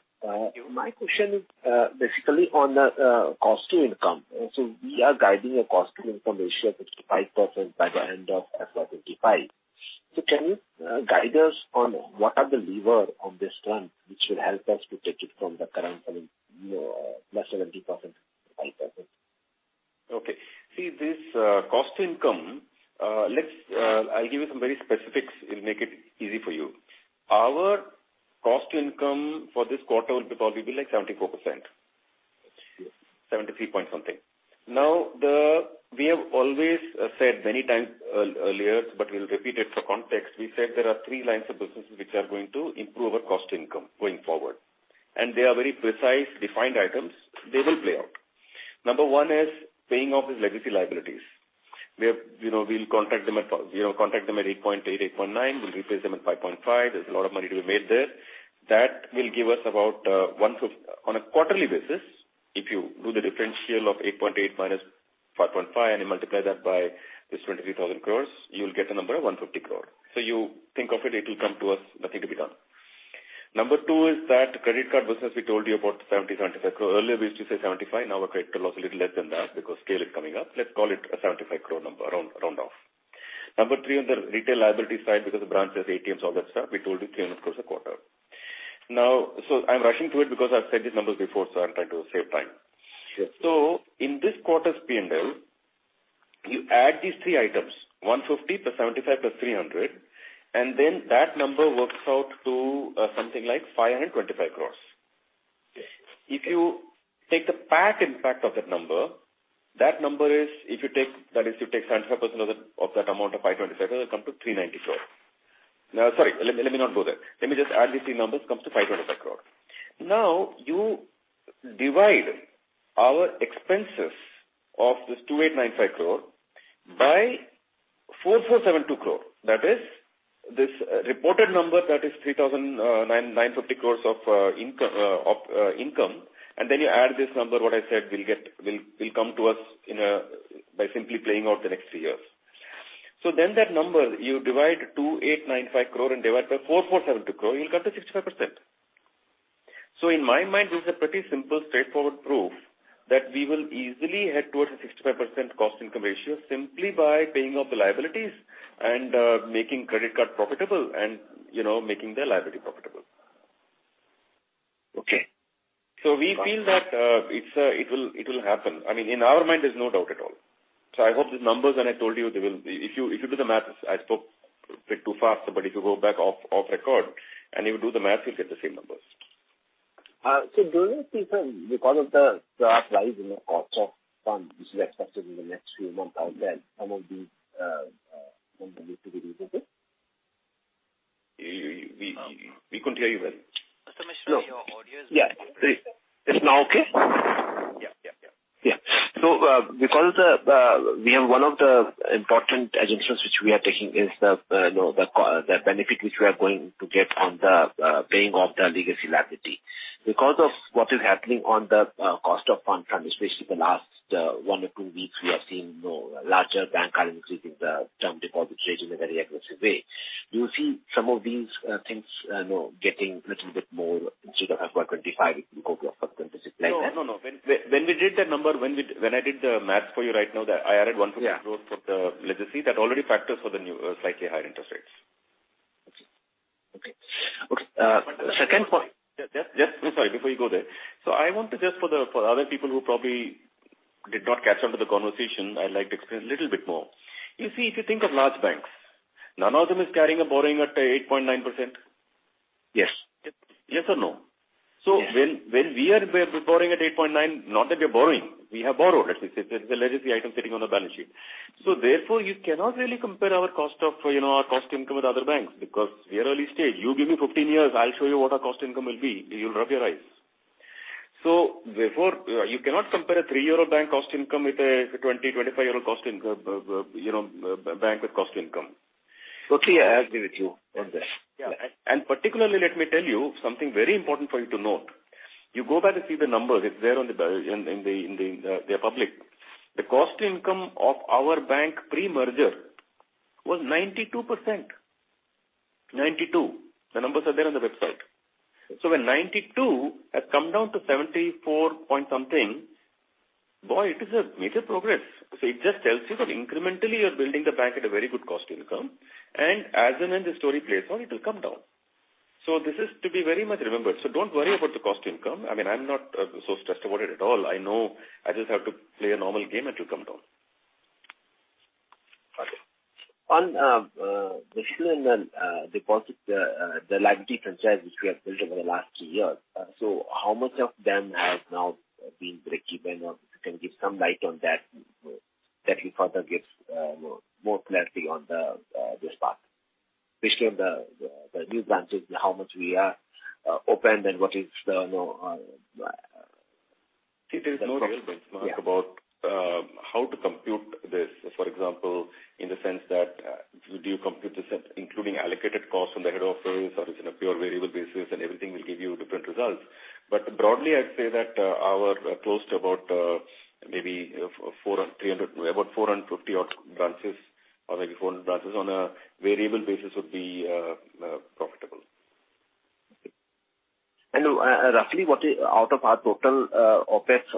My question is, basically on the cost to income. We are guiding a cost to income ratio of 55% by the end of FY 2025. Can you guide us on what are the levers on this front which will help us to take it from the current, I mean, you know, +70%
Okay. See this, cost to income. I'll give you some very specifics. It'll make it easy for you. Our cost to income for this quarter would probably be like 74%. 73 point something. Now, We have always said many times earlier, but we'll repeat it for context. We said there are three lines of businesses which are going to improve our cost to income going forward, and they are very precise, defined items. They will play out. Number one is paying off these legacy liabilities. We have, we'll contract them at 8.8% to 8.9%. We'll replace them at 5.5%. There's a lot of money to be made there. That will give us about 150 on a quarterly basis, if you do the differential of 8.8% minus 5.5%, and you multiply that by this 23,000 crore, you'll get a number of 150 crore. So you think of it'll come to us, nothing to be done. Number two is that credit card business we told you about, 70-75 crore. Earlier we used to say 75, now we've corrected to a little less than that because scale is coming up. Let's call it a 75 crore number round off. Number three, on the retail liability side, because the branches, ATMs, all that stuff, we told you 300 crores a quarter. Now, I'm rushing through it because I've said these numbers before, so I'm trying to save time. In this quarter's P&L, you add these three items, INR 150+INR 75+INR 300, and then that number works out to something like 525 crores. If you take the PAT impact of that number, if you take 75% of that amount of 525, it'll come to 390 crore. Sorry, let me not go there. Let me just add these three numbers, comes to 525 crore. Now, you divide our expenses of this 2,895 crore by 4,472 crore. That is this reported number that is 3,995 crores of income. Then you add this number, what I said we'll get, will come to us in a, by simply playing out the next three years. Then that number, you divide 2,895 crore by 4,472 crore, you'll come to 65%. In my mind, this is a pretty simple straightforward proof that we will easily head towards a 65% cost income ratio simply by paying off the liabilities and making credit card profitable and making their liability profitable. Okay. We feel that it will happen. I mean, in our mind there's no doubt at all. I hope the numbers and I told you they will. If you do the math, I spoke a bit too fast, but if you go back off record and you do the math, you'll get the same numbers.
During this season, because of the rise in the cost of funds, which is expected in the next few months out there, some of these numbers need to be revisited?
We couldn't hear you well.
Mr. Mishra, your audio is very.
Yeah. Is now okay?
Yeah. Yeah.
Yeah. We have one of the important adjustments which we are taking is the, you know, the benefit which we are going to get on paying off the legacy liability. Because of what is happening on the cost of funds transmission, the last one or two weeks we have seen, you know, larger banks are increasing the term deposit rates in a very aggressive way. Do you see some of these things, you know, getting little bit more instead of at what FY 2025, it will go to a 30%, like that?
No. When I did the math for you right now that I added 150 crore for the legacy, that already factors in the new, slightly higher interest rates.
Okay. Second point.
I'm sorry, before you go there. I want to just for the other people who probably did not catch up with the conversation. I'd like to explain a little bit more. You see, if you think of large banks, none of them is carrying a borrowing at 8.9%. Yes or no?
Yes.
When we are borrowing at 8.9%, not that we're borrowing, we have borrowed, let me say. That's the legacy item sitting on the balance sheet. Therefore you cannot really compare our cost-to-income with other banks because we are early stage. You give me 15 years, I'll show you what our cost-to-income will be. You'll rub your eyes. Therefore, you cannot compare a three-year-old bank cost-to-income with a 20-25-year-old bank with cost-to-income.
Okay, I agree with you on this.
Yeah. Particularly, let me tell you something very important for you to note. You go back and see the numbers, it's there, they're public. The cost income of our bank pre-merger was 92%. 92%. The numbers are there on the website. When 92% has come down to 74% point something, boy, it is a major progress. It just tells you that incrementally you're building the bank at a very good cost income and as and when the story plays on, it'll come down. This is to be very much remembered. Don't worry about the cost income. I mean, I'm not so stressed about it at all. I know I just have to play a normal game, it'll come down.
On the issue and deposit liability franchise which we have built over the last few years. How many of them have now been break-even? If you can shed some light on that will further give more clarity on this part, especially on the new branches, how many we have opened and what is the-
See, there is no proper benchmark about how to compute this. For example, in the sense that, do you compute this at including allocated costs from the head office or is in a pure variable basis and everything will give you different results. Broadly, I'd say that our close to about maybe 400, 300, about 450 odd branches or like 400 branches on a variable basis would be profitable.
Okay. Roughly, what is out of our total OpEx,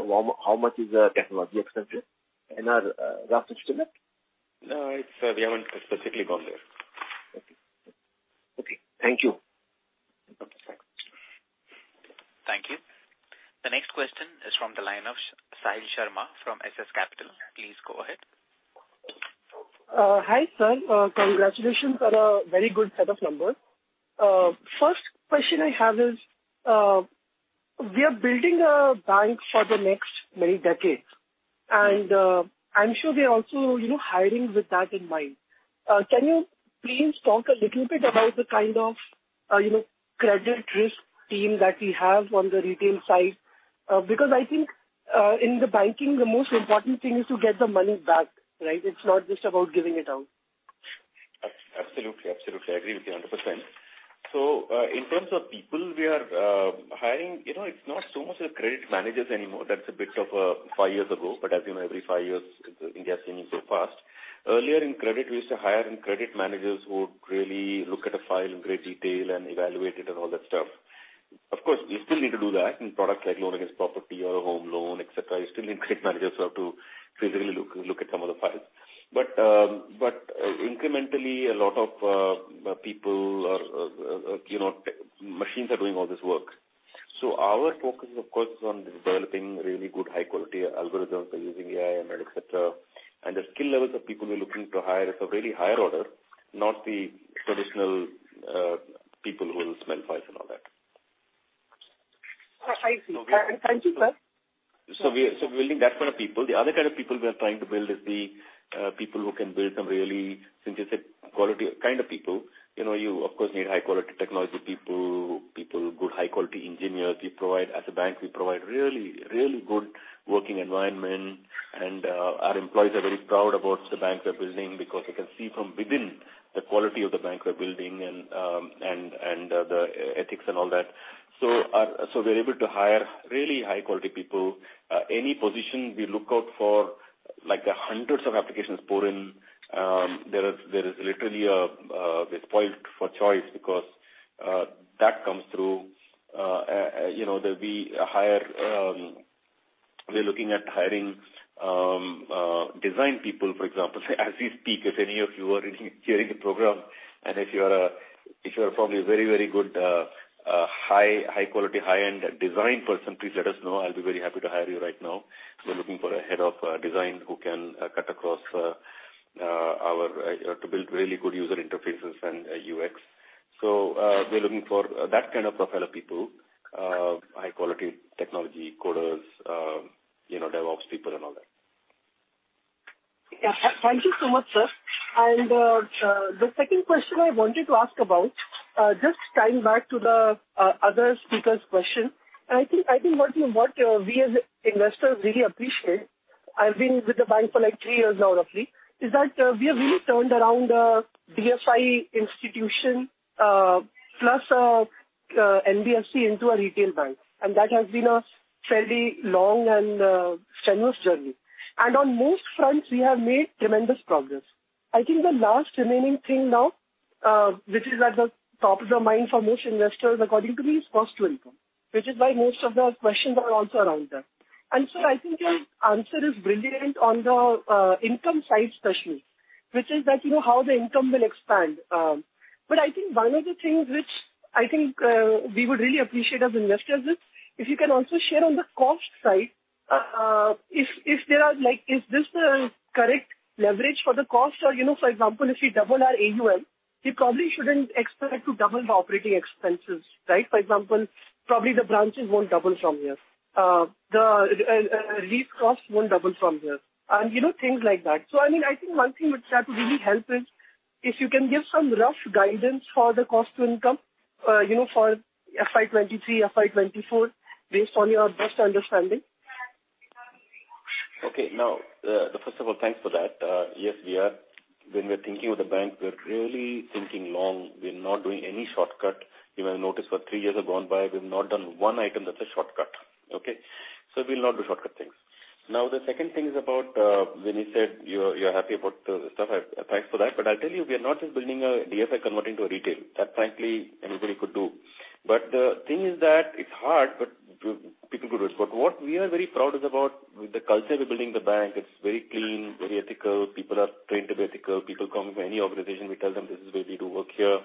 how much is technology expenses in our rough estimate?
No, it's, we haven't specifically gone there.
Okay. Thank you.
Thank you. The next question is from the line of Sahil Sharma from SS Capital. Please go ahead.
Hi, sir. Congratulations on a very good set of numbers. First question I have is, we are building a bank for the next many decades, and, I'm sure we are also, you know, hiring with that in mind. Can you please talk a little bit about the kind of, you know, credit risk team that we have on the retail side? Because I think, in the banking, the most important thing is to get the money back, right? It's not just about giving it out.
Absolutely. Absolutely. I agree with you 100%. In terms of people, we are hiring, you know, it's not so much the credit managers anymore. That's a bit of five years ago. As you know, every five years, India is changing so fast. Earlier in credit, we used to hire, and credit managers would really look at a file in great detail and evaluate it and all that stuff. Of course, we still need to do that in products like loan against property or a home loan, et cetera. You still need credit managers who have to physically look at some of the files. Incrementally, a lot of people or, you know, machines are doing all this work. Our focus is of course on developing really good high quality algorithms by using AI and ML, et cetera. The skill levels of people we're looking to hire is a really higher order, not the traditional people who will smell files and all that.
I see. Thank you, sir.
We're building that kind of people. The other kind of people we are trying to build is the people who can build some really synthetic quality kind of people. You know, you of course need high quality technology people, good high quality engineers. As a bank, we provide really, really good working environment and our employees are very proud about the bank we're building because they can see from within the quality of the bank we're building and the ethics and all that. We're able to hire really high quality people. Any position we look out for, like the hundreds of applications pour in. We're literally spoiled for choice because that comes through. You know, there'll be a higher. We're looking at hiring design people, for example. Say, as we speak, if any of you are in here hearing the program, and if you are probably a very good high quality, high-end design person, please let us know. I'll be very happy to hire you right now. We're looking for a head of design who can cut across our to build really good user interfaces and UX. We're looking for that kind of profile of people. High quality technology coders, you know, DevOps people and all that.
Yeah. Thank you so much, sir. The second question I wanted to ask about, just tying back to the other speaker's question. I think what we as investors really appreciate, I've been with the bank for, like, three years now, roughly, is that we have really turned around DFI institution plus NBFC into a retail bank, and that has been a fairly long and strenuous journey. On most fronts, we have made tremendous progress. I think the last remaining thing now, which is at the top of the mind for most investors, according to me, is cost to income, which is why most of the questions are also around that. I think your answer is brilliant on the income side especially, which is that, you know, how the income will expand. But I think one of the things which I think we would really appreciate as investors is if you can also share on the cost side, if there are like is this the correct leverage for the cost. Or, you know, for example, if we double our AUM, we probably shouldn't expect to double the operating expenses, right. For example, probably the branches won't double from here. The lease costs won't double from here and, you know, things like that. I mean, I think one thing which that would really help is if you can give some rough guidance for the cost to income, you know, for FY 2023, FY 2024, based on your best understanding.
Okay. Now, first of all, thanks for that. Yes, we are. When we're thinking of the bank, we're really thinking long. We're not doing any shortcut. You may have noticed for three years have gone by, we've not done one item that's a shortcut, okay? We'll not do shortcut things. Now, the second thing is about when you said you're happy about the stuff. Thanks for that. I'll tell you, we are not just building a DFI converting to a retail. That frankly, anybody could do. The thing is that it's hard, but people could do it. What we are very proud is about the culture we're building in the bank. It's very clean, very ethical. People are trained to be ethical. People come from any organization, we tell them this is the way we do work here.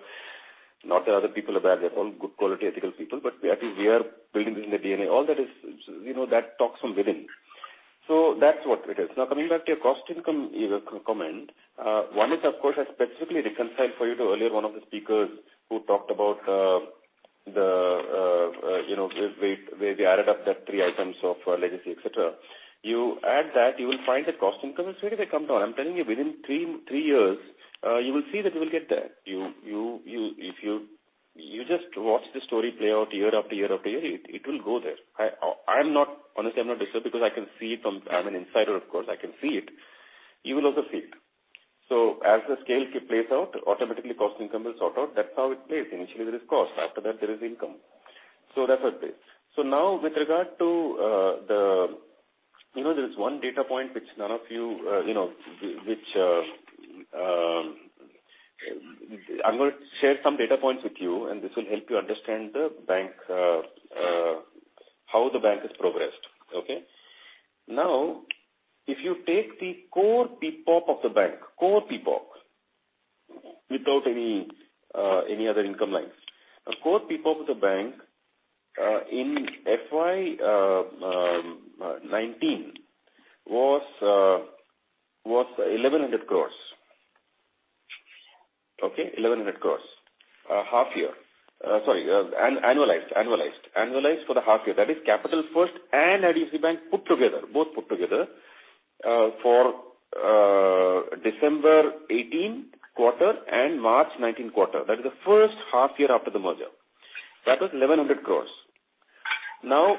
Not that other people are bad, they're all good quality ethical people, but we, I think we are building this in the DNA. All that is, you know, that talks from within. That's what it is. Now, coming back to your cost to income, you know, comment. One is of course, I specifically referred you to one of the earlier speakers who talked about, you know, where we added up those three items of legacy, et cetera. You add that, you will find the cost income has significantly come down. I'm telling you, within three years, you will see that you will get there. If you just watch the story play out year after year after year, it will go there. Honestly, I'm not disturbed because I can see it from. I'm an insider, of course, I can see it. You will also see it. As the scale plays out, automatically cost income will sort out. That's how it plays. Initially, there is cost. After that, there is income. That's what it is. Now with regard to, you know, there is one data point which none of you know, I'm going to share some data points with you, and this will help you understand the bank, how the bank has progressed. Okay? Now, if you take the core PPOP of the bank without any other income lines. Now, core PPOP of the bank in FY 2019 was 1,100 crores. Okay? 1,100 crores, half year. Sorry, annualized for the half year. That is Capital First and IDFC Bank put together for December 2018 quarter and March 2019 quarter. That is the first half year after the merger. That was 1,100 crores. Now,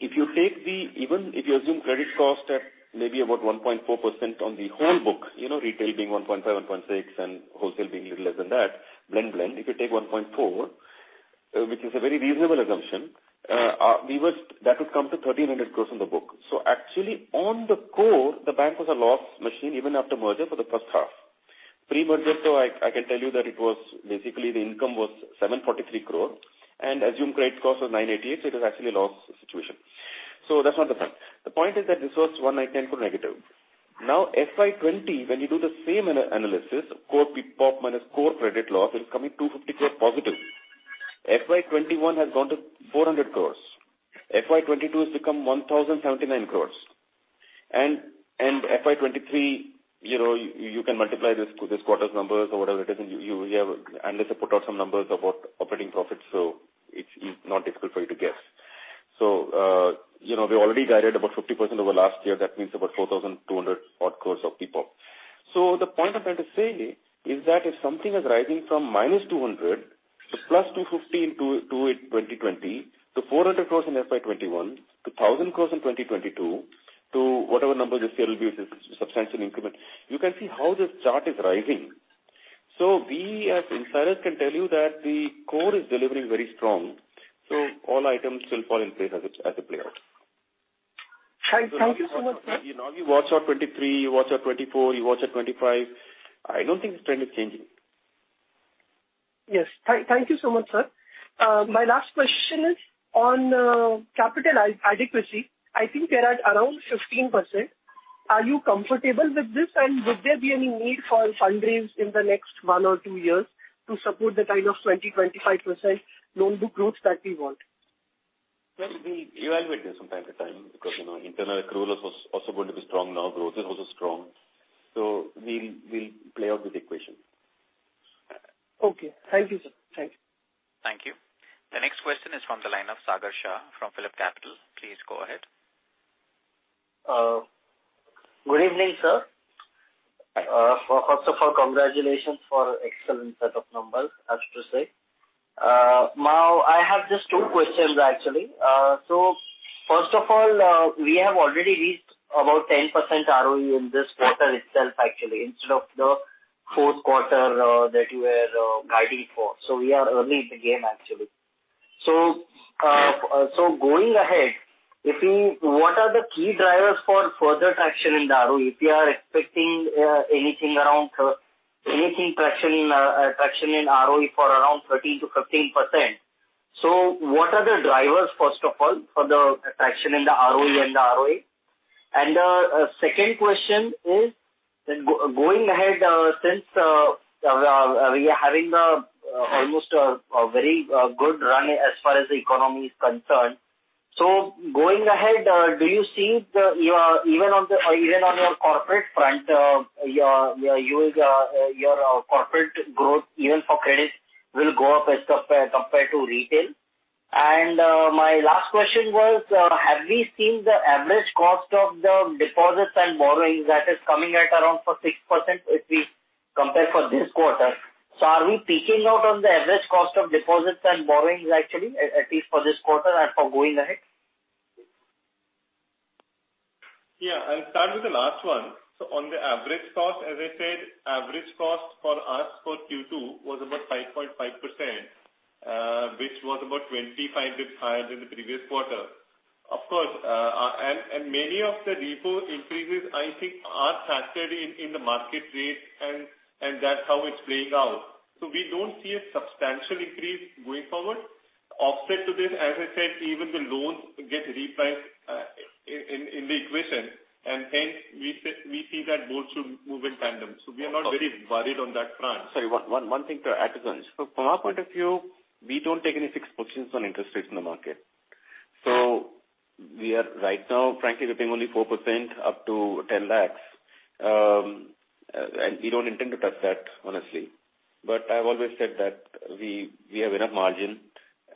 even if you assume credit cost at maybe about 1.4% on the whole book, you know, retail being 1.5%, 1.6%, and wholesale being little less than that, blend. If you take 1.4%, which is a very reasonable assumption, that would come to 1,300 crores on the book. So actually, on the core, the bank was a loss machine even after merger for the first half. Pre-merger, I can tell you that it was basically the income was 743 crore and assumed credit cost was 988, so it was actually a loss situation. That's not the point. The point is that this was 199 to negative. Now, FY 2020, when you do the same analysis, core PPOP minus core credit loss, it's coming 250 crore positive. FY 2021 has gone to 400 crores. FY 2022 has become 1,079 crores. And FY 2023, you know, you can multiply this quarter's numbers or whatever it is, and analysts have put out some numbers about operating profits, so it's not difficult for you to guess. You know, we already guided about 50% over last year. That means about 4,200 odd crores of PPOP. The point I'm trying to say is that if something is rising from -200 crore to +250 crore in 2020 to 400 crore in FY21 to 1,000 crore in 2022 to whatever number this year will be, it is substantial increment. You can see how this chart is rising. We as insiders can tell you that the core is delivering very strong, so all items will fall in place as it play out.
Thank you so much, sir.
Now you watch our 2023, you watch our 2024, you watch our 2025. I don't think the trend is changing.
Yes. Thank you so much, sir. My last question is on capital adequacy. I think you're at around 15%. Are you comfortable with this? Would there be any need for a fundraise in the next one or two years to support the kind of 20%-25% loan book growth that we want?
Well, we evaluate this from time to time because, you know, internal accrual is also going to be strong now. Growth is also strong. We'll play out with the equation.
Okay. Thank you, sir. Thanks.
Thank you. The next question is from the line of Sagar Shah from PhillipCapital. Please go ahead.
Good evening, sir. First of all, congratulations for excellent set of numbers, I have to say. Now I have just two questions, actually. First of all, we have already reached about 10% ROE in this quarter itself actually, instead of the fourth quarter that you were guiding for. We are early in the game, actually. Going ahead, what are the key drivers for further traction in the ROE? If you are expecting anything around traction in ROE for around 13%-15%. What are the drivers, first of all, for the traction in the ROE and the ROA? Second question is, then going ahead, since we are having almost a very good run as far as the economy is concerned. Going ahead, do you see even on your corporate front your corporate growth even for credit will go up as compared to retail? My last question was, have we seen the average cost of the deposits and borrowings that is coming at around 6% if we compare for this quarter? Are we peaking out on the average cost of deposits and borrowings, actually, at least for this quarter and going ahead?
Yeah, I'll start with the last one. On the average cost, as I said, average cost for us for Q2 was about 5.5%, which was about 25 basis points higher than the previous quarter. Of course, and many of the repo increases, I think, are factored in the market rate, and that's how it's playing out. We don't see a substantial increase going forward. Offset to this, as I said, even the loans get repriced, in the equation, and hence we see that both should move in tandem. We are not very worried on that front.
Sorry, one thing to add to this. From our point of view, we don't take any fixed positions on interest rates in the market. We are right now, frankly, we're paying only 4% up to 10 lakhs. We don't intend to touch that, honestly. I've always said that we have enough margin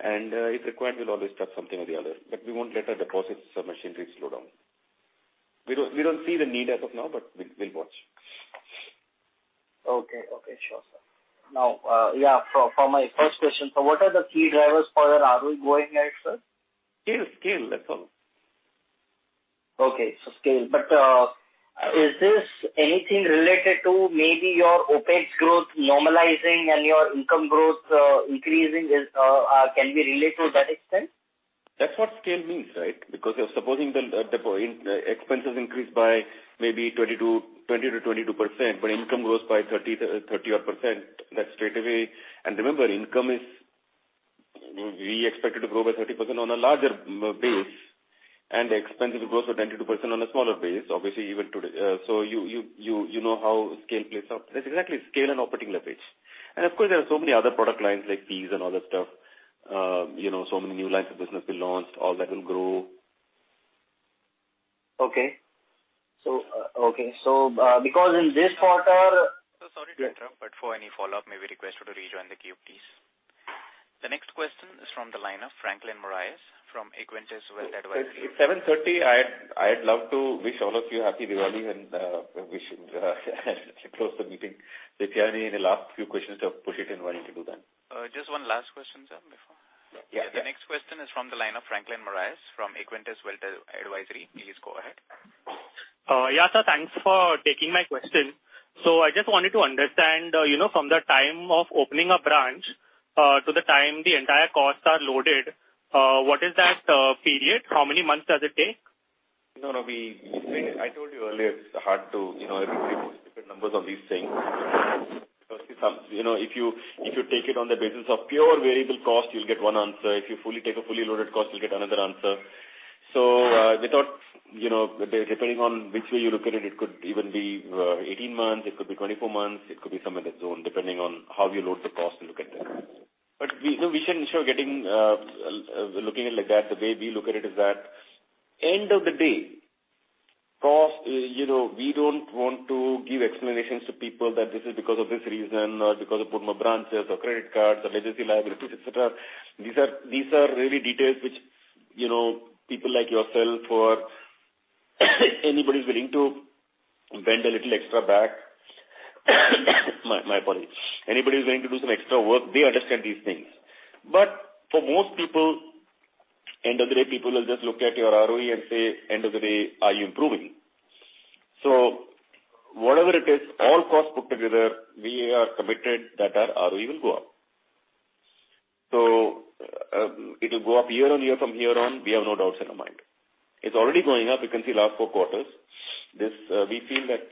and, if required, we'll always touch something or the other, but we won't let our deposits or machinery slow down. We don't see the need as of now, but we'll watch.
Okay. Sure, sir. Now, yeah, for my first question, what are the key drivers for the ROE going ahead, sir?
Scale, that's all.
Okay. Scale. Is this anything related to maybe your OpEx growth normalizing and your income growth increasing can be related to that extent?
That's what scale means, right? Because if supposing the expenses increase by maybe 20%-22%, but income grows by 30%-30-odd%, that straightaway. Remember, income, we expect it to grow by 30% on a larger base, and the expenses will grow by 22% on a smaller base, obviously, even today. So you know how scale plays out. That's exactly scale and operating leverage. Of course, there are so many other product lines like fees and other stuff. You know, so many new lines of business we launched, all that will grow.
Because in this quarter-
Sir, sorry to interrupt, but for any follow-up, may we request you to rejoin the queue, please. The next question is from the line of Franklin Moraes from Equentis Wealth Advisory.
It's 7:30 P.M. I'd love to wish all of you Happy Diwali and wish and close the meeting. If you have any last few questions, push it in. Willing to do that.
Just one last question, sir, before.
Yeah. Yeah.
The next question is from the line of Franklin Moraes from Equentis Wealth Advisory. Please go ahead.
Yeah, sir. Thanks for taking my question. I just wanted to understand, you know, from the time of opening a branch to the time the entire costs are loaded, what is that period? How many months does it take?
No, no. I told you earlier, it's hard to ever get specific numbers on these things. Because it comes, you know, if you take it on the basis of pure variable cost, you'll get one answer. If you take a fully loaded cost, you'll get another answer. Depending on which way you look at it could even be 18 months, it could be 24 months, it could be somewhere in the zone, depending on how you load the cost and look at it. We shouldn't look at it like that. The way we look at it is that end of the day, cost, you know, we don't want to give explanations to people that this is because of this reason or because I put more branches or credit cards or legacy liabilities, et cetera. These are really details which, you know, people like yourself or anybody who's willing to do some extra work, they understand these things. For most people, end of the day, people will just look at your ROE and say, end of the day, are you improving? Whatever it is, all costs put together, we are committed that our ROE will go up. It'll go up year on year from here on, we have no doubts in our mind. It's already going up, you can see last four quarters. This we feel that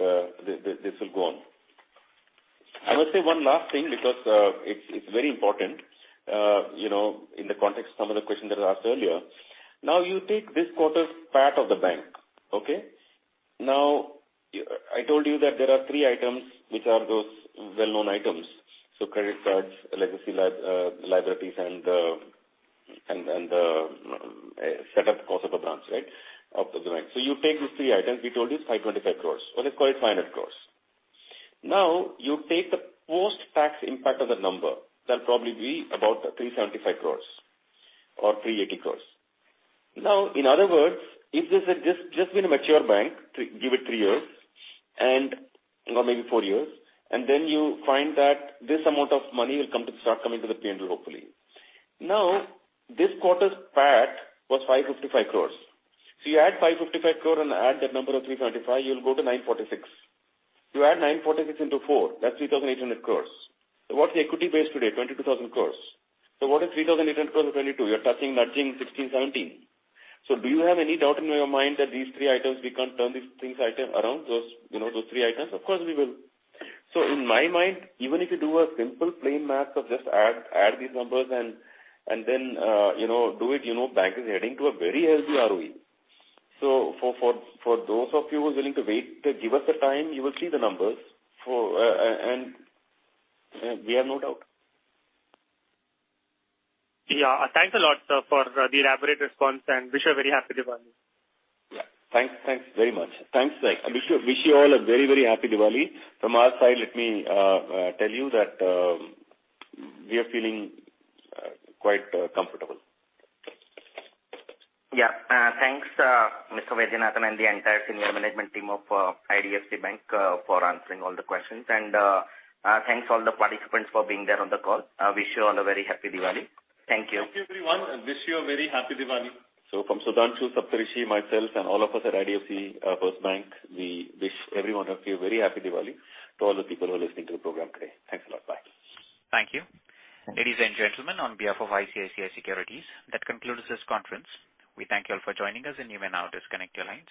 this will go on. I will say one last thing because it's very important you know in the context of some of the questions that were asked earlier. Now you take this quarter's PAT of the bank okay. Now I told you that there are three items which are those well-known items. So credit cards legacy liabilities and the setup cost of a branch right of the bank. So you take these three items we told you 525 crores. Let us call it 500 crores. Now you take the post-tax impact of that number. That'll probably be about 375 crores or 380 crores. In other words, if this had just been a mature bank, give it three years and, or maybe four years, and then you find that this amount of money will come to, start coming to the P&L hopefully. This quarter's PAT was 555 crore. You add 555 crore and add that number of 375, you'll go to 946. You add 946 into four, that's 3,800 crore. What's the equity base today? 22,000 crore. What is 3,800 crore you are touching? Nudging 16, 17. Do you have any doubt in your mind that these three items, we can't turn these three items around, you know, those three items? Of course, we will. In my mind, even if you do a simple plain math of just add these numbers and then, you know, do it, you know, bank is heading to a very healthy ROE. For those of you who are willing to wait, give us the time, you will see the numbers for, and we have no doubt.
Yeah. Thanks a lot, sir, for the elaborate response, and wish you a very happy Diwali.
Yeah. Thanks very much. Thanks. I wish you all a very, very happy Diwali. From our side, let me tell you that we are feeling quite comfortable.
Yeah. Thanks, Mr. V. Vaidyanathan and the entire senior management team IDFC FIRST Bank, for answering all the questions. Thanks all the participants for being there on the call. I wish you all a very happy Diwali. Thank you.
Thank you, everyone. I wish you a very happy Diwali.
From Sudhanshu, Saptarshi, myself, and all of us at IDFC FIRST Bank, we wish every one of you a very happy Diwali to all the people who are listening to the program today. Thanks a lot. Bye.
Thank you. Ladies and gentlemen, on behalf of ICICI Securities, that concludes this conference. We thank you all for joining us and you may now disconnect your lines.